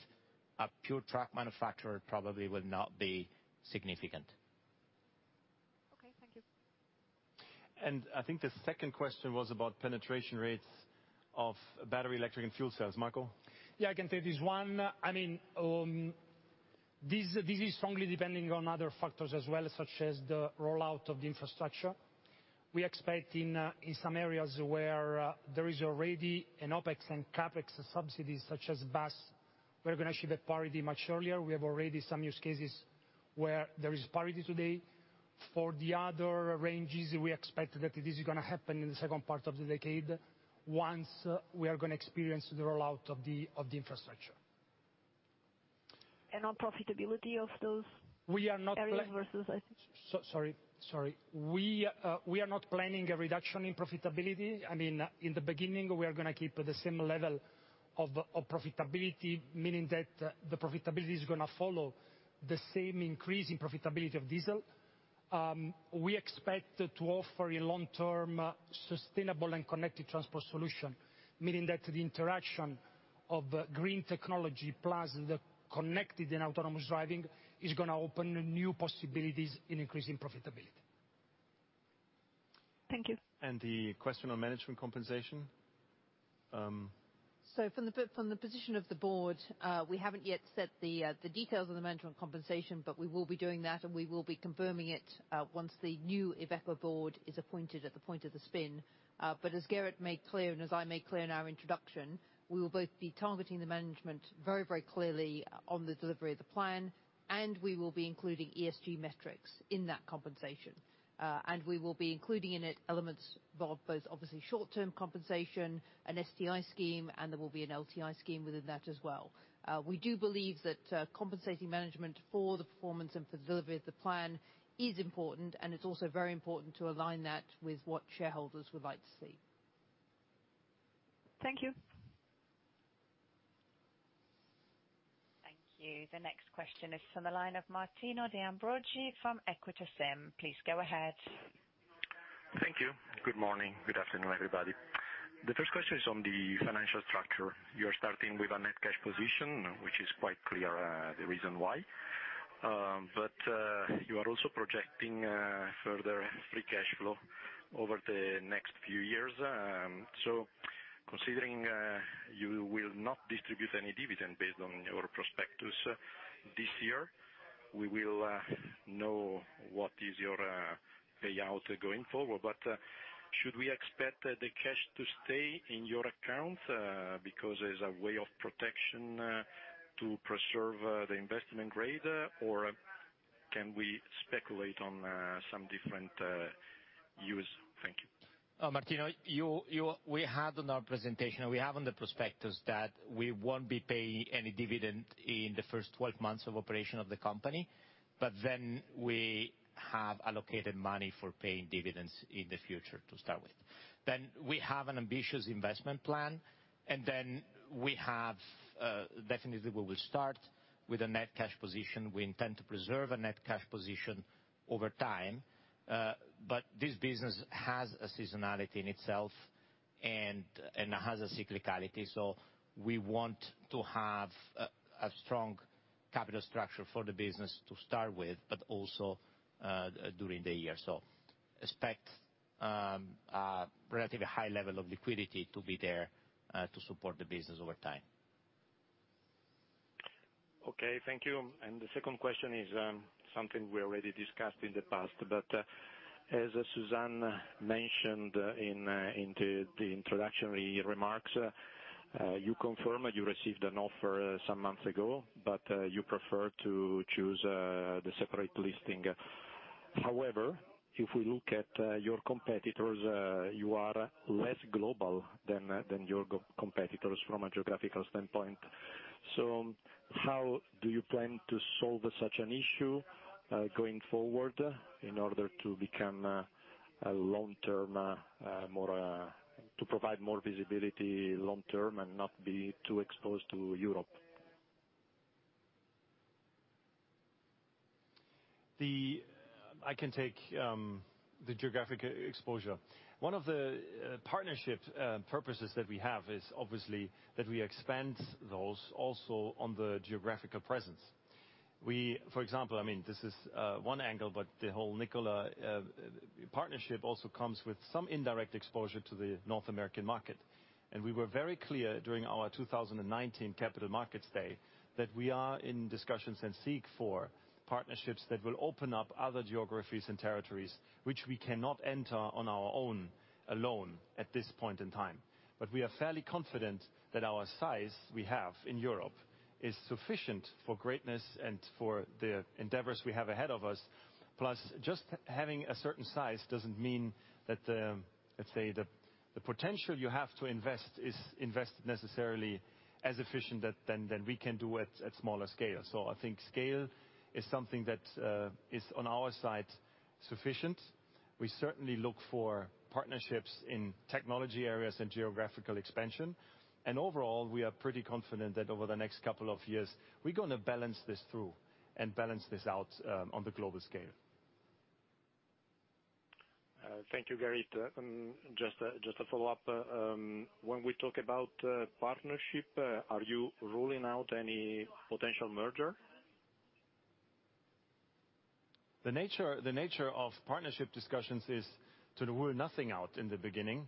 a pure truck manufacturer probably would not be significant. Okay, thank you. I think the second question was about penetration rates of battery, electric, and fuel cells. Marco? Yeah, I can take this one. I mean, this is strongly depending on other factors as well, such as the rollout of the infrastructure. We expect in some areas where there is already an OpEx and CapEx subsidies such as bus, we're gonna achieve a parity much earlier. We have already some use cases where there is parity today. For the other ranges, we expect that it is gonna happen in the second part of the decade once we are gonna experience the rollout of the infrastructure. On profitability of those. We are not pl- Areas versus, I think. Sorry. We are not planning a reduction in profitability. I mean, in the beginning, we are gonna keep the same level of profitability, meaning that the profitability is gonna follow the same increase in profitability of diesel. We expect to offer a long-term, sustainable, and connected transport solution, meaning that the interaction of green technology plus the connected and autonomous driving is gonna open new possibilities in increasing profitability. Thank you. The question on management compensation? From the position of the board, we haven't yet set the details of the management compensation, but we will be doing that, and we will be confirming it once the new Iveco board is appointed at the point of the spin. As Gerrit made clear, and as I made clear in our introduction, we will both be targeting the management very, very clearly on the delivery of the plan, and we will be including ESG metrics in that compensation. We will be including in it elements of both obviously short-term compensation, an STI scheme, and there will be an LTI scheme within that as well. We do believe that compensating management for the performance and for the delivery of the plan is important, and it's also very important to align that with what shareholders would like to see. Thank you. Thank you. The next question is from the line of Martino De Ambroggi from Equita SIM. Please go ahead. Thank you. Good morning. Good afternoon, everybody. The first question is on the financial structure. You're starting with a net cash position, which is quite clear, the reason why. You are also projecting further free cash flow over the next few years. Considering you will not distribute any dividend based on your prospectus this year, we will know what is your payout going forward. Should we expect the cash to stay in your account because as a way of protection to preserve the investment grade? Or can we speculate on some different use? Thank you. Martino, we have on the prospectus that we won't be paying any dividend in the first 12 months of operation of the company, but then we have allocated money for paying dividends in the future to start with. We have an ambitious investment plan, and definitely we will start with a net cash position. We intend to preserve a net cash position over time, but this business has a seasonality in itself and has a cyclicality. We want to have a strong capital structure for the business to start with, but also during the year. Expect a relatively high level of liquidity to be there to support the business over time. Okay. Thank you. The second question is something we already discussed in the past, but as Suzanne mentioned in the introductory remarks, you confirm you received an offer some months ago, but you prefer to choose the separate listing. However, if we look at your competitors, you are less global than your global competitors from a geographical standpoint. So how do you plan to solve such an issue going forward in order to provide more visibility long-term and not be too exposed to Europe? I can take the geographic exposure. One of the partnership purposes that we have is obviously that we expand those also on the geographical presence. We, for example, I mean, this is one angle, but the whole Nikola partnership also comes with some indirect exposure to the North American market. We were very clear during our 2019 Capital Markets Day that we are in discussions and seek for partnerships that will open up other geographies and territories which we cannot enter on our own, alone at this point in time. We are fairly confident that our size we have in Europe is sufficient for greatness and for the endeavors we have ahead of us. Plus, just having a certain size doesn't mean that, let's say, the potential you have to invest is necessarily as efficient as we can do at smaller scale. I think scale is something that is on our side sufficient. We certainly look for partnerships in technology areas and geographical expansion. Overall, we are pretty confident that over the next couple of years we're gonna balance this out on the global scale. Thank you, Gerrit. Just a follow-up. When we talk about partnership, are you ruling out any potential merger? The nature of partnership discussions is to rule nothing out in the beginning,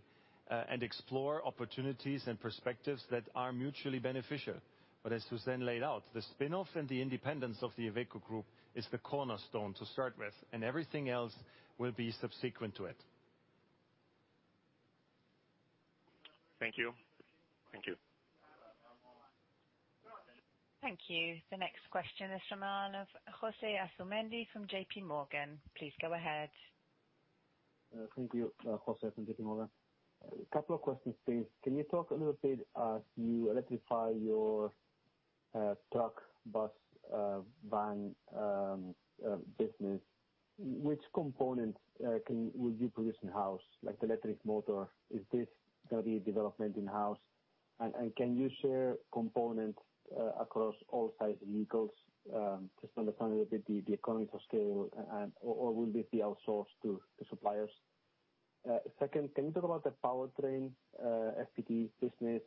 and explore opportunities and perspectives that are mutually beneficial. As Suzanne laid out, the spinoff and the independence of the Iveco Group is the cornerstone to start with, and everything else will be subsequent to it. Thank you. Thank you. Thank you. The next question is from Jose Asumendi from J.P. Morgan. Please go ahead. Thank you. José from JP Morgan. A couple of questions, please. Can you talk a little bit as you electrify your truck, bus, van business, which components can will you produce in-house, like the electric motor? Is this gonna be development in-house? And can you share components across all size vehicles to understand a little bit the economies of scale and or will this be outsourced to suppliers? Second, can you talk about the powertrain FPT business?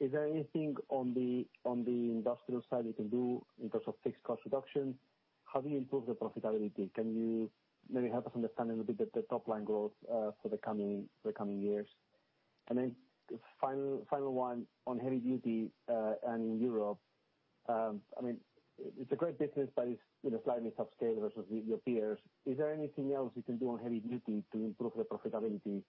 Is there anything on the industrial side you can do in terms of fixed cost reduction? How do you improve the profitability? Can you maybe help us understand a little bit the top line growth for the coming years? Then final one on heavy duty and in Europe. I mean, it's a great business, but it's, you know, slightly subscale versus your peers. Is there anything else you can do on heavy duty to improve the profitability?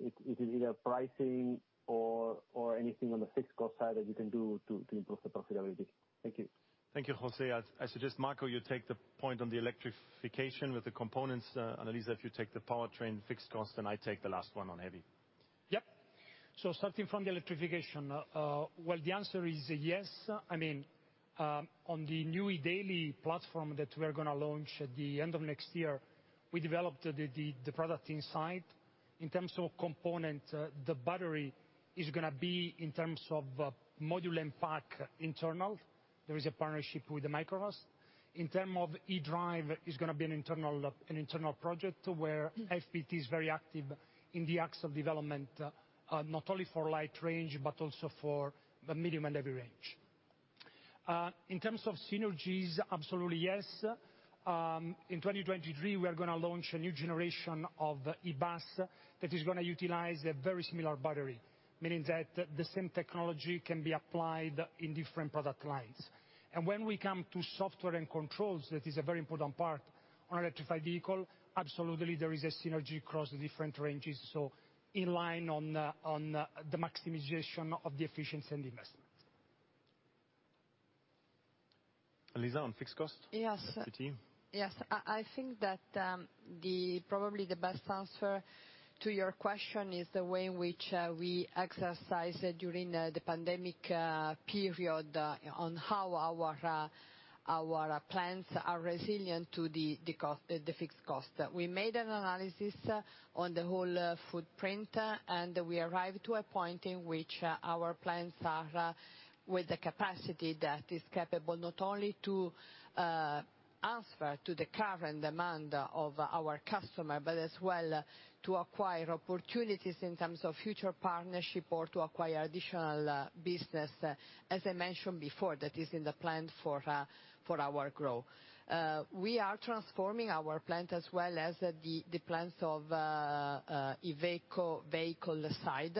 If it is either pricing or anything on the fixed cost side that you can do to improve the profitability? Thank you. Thank you, José. I suggest, Marco, you take the point on the electrification with the components. Annalisa, if you take the powertrain fixed cost, and I take the last one on heavy. Yep. Starting from the electrification, the answer is yes. I mean, on the new Daily platform that we are gonna launch at the end of next year, we developed the product inside. In terms of component, the battery is gonna be, in terms of module and pack, internal. There is a partnership with Microvast. In term of e-drive, it's gonna be an internal project, where FPT is very active in the aspects of development, not only for light range but also for the medium and heavy range. In terms of synergies, absolutely yes. In 2023, we are gonna launch a new generation of e-bus that is gonna utilize a very similar battery, meaning that the same technology can be applied in different product lines. When we come to software and controls, that is a very important part of the electrified vehicle. Absolutely, there is a synergy across the different ranges. In line with the maximization of the efficiency and the investment. Lisa, on fixed cost? Yes. Up to you. Yes. I think that probably the best answer to your question is the way in which we exercise during the pandemic period on how our plans are resilient to the fixed cost. We made an analysis on the whole footprint, and we arrived to a point in which our plans are with the capacity that is capable not only to answer to the current demand of our customer, but as well to acquire opportunities in terms of future partnership or to acquire additional business, as I mentioned before, that is in the plan for our growth. We are transforming our plant as well as the plants of Iveco vehicle side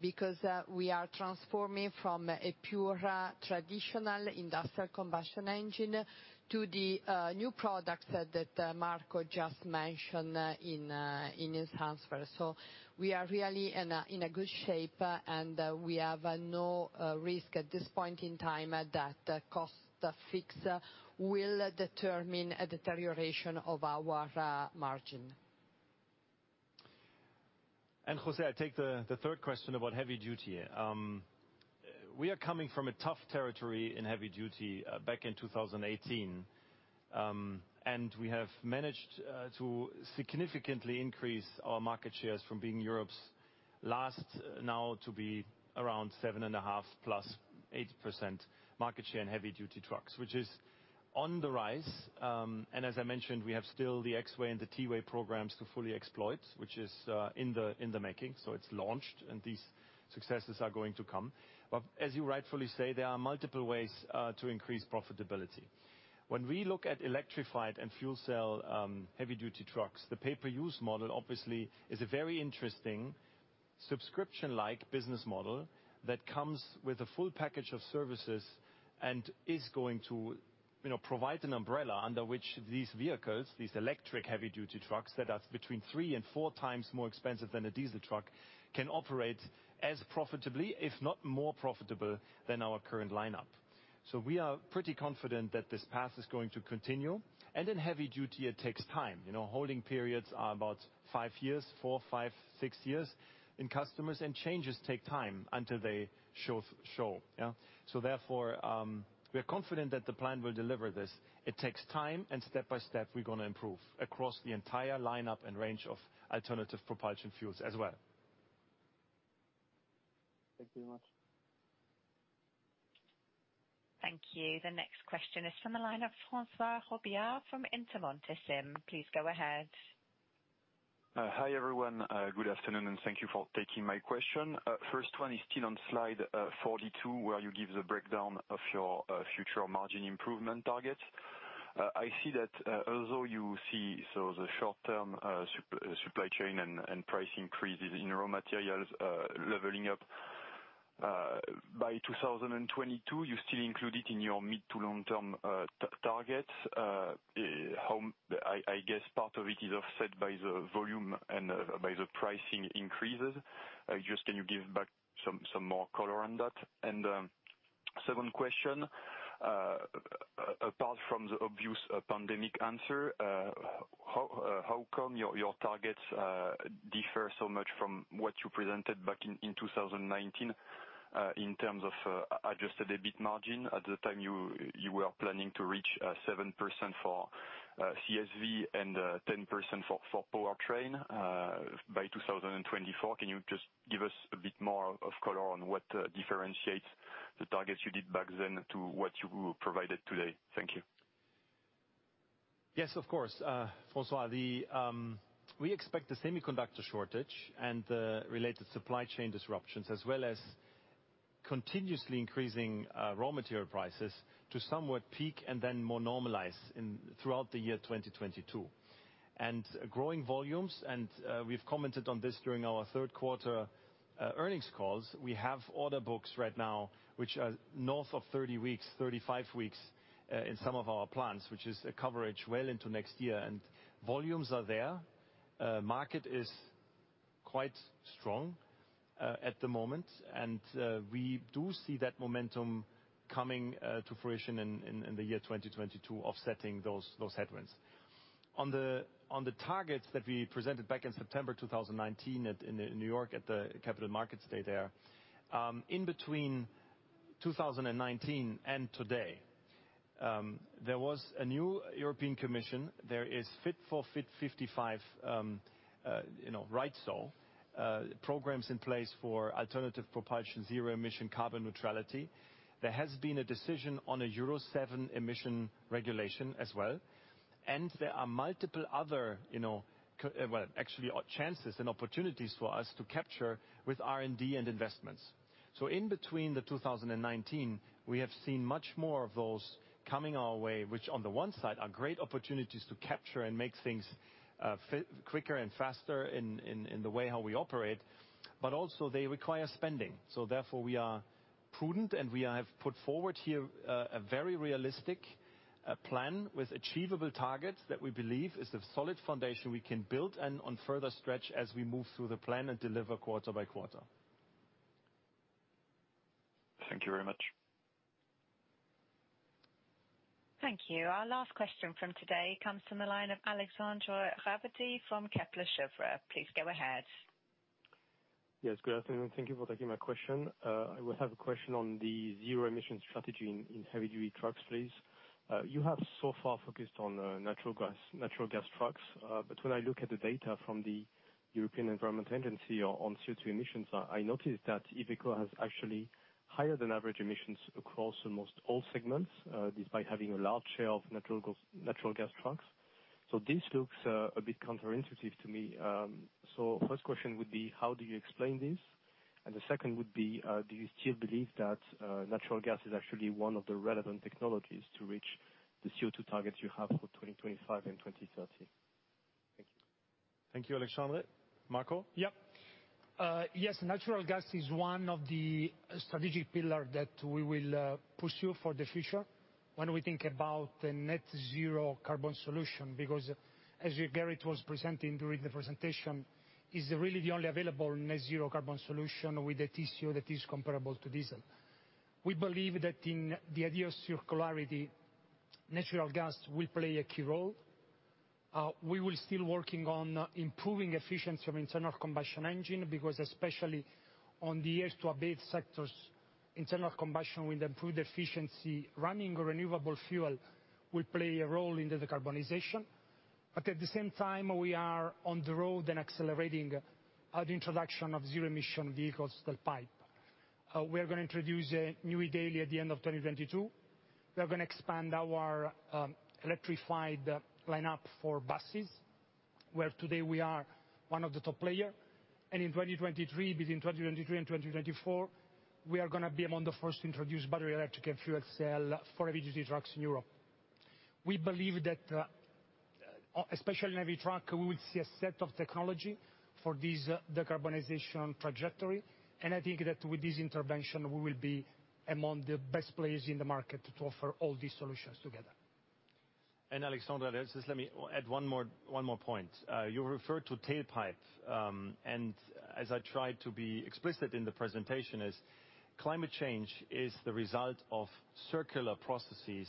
because we are transforming from a pure traditional industrial combustion engine to the new products that Marco just mentioned in his answer. We are really in a good shape and we have no risk at this point in time that fixed costs will determine a deterioration of our margin. José, I take the third question about heavy-duty. We are coming from a tough territory in heavy-duty back in 2018. We have managed to significantly increase our market shares from being Europe's last to around 7.5%-8% market share in heavy-duty trucks, which is on the rise. As I mentioned, we have still the X-Way and the T-Way programs to fully exploit, which is in the making. It's launched, and these successes are going to come. As you rightfully say, there are multiple ways to increase profitability. When we look at electrified and fuel cell heavy-duty trucks, the pay-per-use model obviously is a very interesting subscription-like business model that comes with a full package of services and is going to, you know, provide an umbrella under which these vehicles, these electric heavy-duty trucks that are between 3 and 4x more expensive than a diesel truck, can operate as profitably, if not more profitable, than our current lineup. We are pretty confident that this path is going to continue. In heavy duty, it takes time. You know, holding periods are about five years, four, five, six years in customers, and changes take time until they show. Therefore, we are confident that the plan will deliver this. It takes time, and step by step, we're gonna improve across the entire lineup and range of alternative propulsion fuels as well. Thank you very much. Thank you. The next question is from the line of François Robillard from Intermonte SIM. Please go ahead. Hi, everyone. Good afternoon, and thank you for taking my question. First one is still on slide 42, where you give the breakdown of your future margin improvement targets. I see that although you see the short-term supply chain and price increases in raw materials leveling off by 2022, you still include it in your mid- to long-term targets. I guess part of it is offset by the volume and by the pricing increases. Just can you give some more color on that? Second question, apart from the obvious pandemic answer, how come your targets differ so much from what you presented back in 2019 in terms of adjusted EBIT margin? At the time, you were planning to reach 7% for CSV and 10% for powertrain by 2024. Can you just give us a bit more of color on what differentiates the targets you did back then to what you provided today? Thank you. Yes, of course. François, we expect the semiconductor shortage and the related supply chain disruptions, as well as continuously increasing raw material prices, to somewhat peak and then more normalize throughout 2022. Growing volumes, we've commented on this during our third quarter earnings calls. We have order books right now which are north of 30 weeks, 35 weeks in some of our plants, which is a coverage well into next year. Volumes are there. Market is quite strong at the moment, and we do see that momentum coming to fruition in 2022, offsetting those headwinds. On the targets that we presented back in September 2019 in New York at the capital markets day there. In between 2019 and today, there was a new European Commission. There is Fit for 55, you know, right so, programs in place for alternative propulsion, zero emission, carbon neutrality. There has been a decision on a Euro 7 emission regulation as well, and there are multiple other, you know, well, actually, chances and opportunities for us to capture with R&D and investments. In between 2019, we have seen much more of those coming our way, which on the one side are great opportunities to capture and make things quicker and faster in the way how we operate, but also they require spending. Therefore, we are prudent, and we have put forward here a very realistic plan with achievable targets that we believe is a solid foundation we can build and on further stretch as we move through the plan and deliver quarter by quarter. Thank you very much. Thank you. Our last question from today comes from the line of Alexandre Ravetti from Kepler Cheuvreux. Please go ahead. Yes, good afternoon. Thank you for taking my question. I will have a question on the zero emission strategy in heavy-duty trucks, please. You have so far focused on natural gas trucks, but when I look at the data from the European Environment Agency on CO₂ emissions, I noticed that Iveco has actually higher than average emissions across almost all segments, despite having a large share of natural gas trucks. This looks a bit counterintuitive to me. So first question would be, how do you explain this? The second would be, do you still believe that natural gas is actually one of the relevant technologies to reach the CO₂ targets you have for 2025 and 2030? Thank you. Thank you, Alexandre. Marco? Yes, natural gas is one of the strategic pillar that we will pursue for the future when we think about a net zero carbon solution, because as Gerrit was presenting during the presentation, it's really the only available net zero carbon solution with a TCO that is comparable to diesel. We believe that in the idea of circularity, natural gas will play a key role. We're still working on improving efficiency of internal combustion engine, because especially on the hard-to-abate sectors, internal combustion with improved efficiency, running renewable fuel will play a role in the decarbonization. At the same time, we are on the road and accelerating the introduction of zero emission vehicles, the pipeline. We are gonna introduce a new Daily at the end of 2022. We are gonna expand our electrified lineup for buses, where today we are one of the top player. In 2023, between 2023 and 2024, we are gonna be among the first to introduce battery, electric and fuel cell for heavy-duty trucks in Europe. We believe that, especially in heavy truck, we will see a set of technology for this decarbonization trajectory, and I think that with this intervention, we will be among the best players in the market to offer all these solutions together. Alexandre, just let me add one more point. You referred to tailpipe, and as I tried to be explicit in the presentation is climate change is the result of circular processes,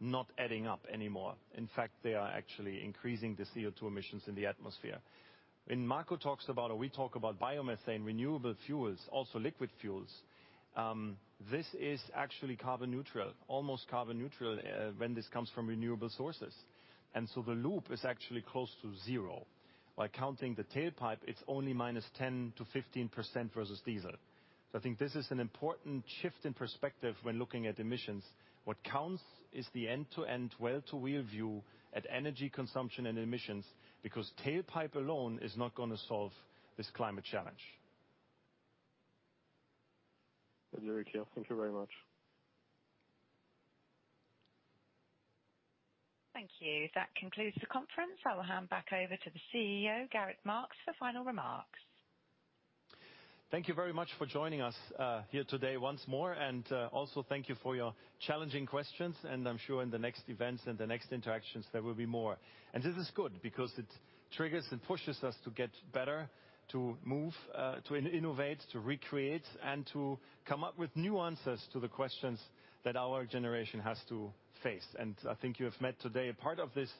not adding up anymore. In fact, they are actually increasing the CO₂ emissions in the atmosphere. When Marco talks about or we talk about biomethane, renewable fuels, also liquid fuels, this is actually carbon neutral, almost carbon neutral, when this comes from renewable sources. The loop is actually close to zero. By counting the tailpipe, it's only minus 10%-15% versus diesel. I think this is an important shift in perspective when looking at emissions. What counts is the end-to-end well-to-wheel view at energy consumption and emissions, because tailpipe alone is not gonna solve this climate challenge. Very clear. Thank you very much. Thank you. That concludes the conference. I will hand back over to the CEO, Gerrit Marx, for final remarks. Thank you very much for joining us here today once more. Also thank you for your challenging questions, and I'm sure in the next events and the next interactions, there will be more. This is good because it triggers and pushes us to get better, to move to innovate, to recreate, and to come up with new answers to the questions that our generation has to face. I think you have met today a part of this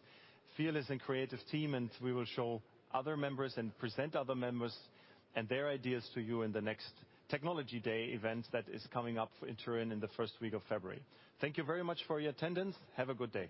fearless and creative team, and we will show other members and present other members and their ideas to you in the next technology day event that is coming up in Turin in the first week of February. Thank you very much for your attendance. Have a good day.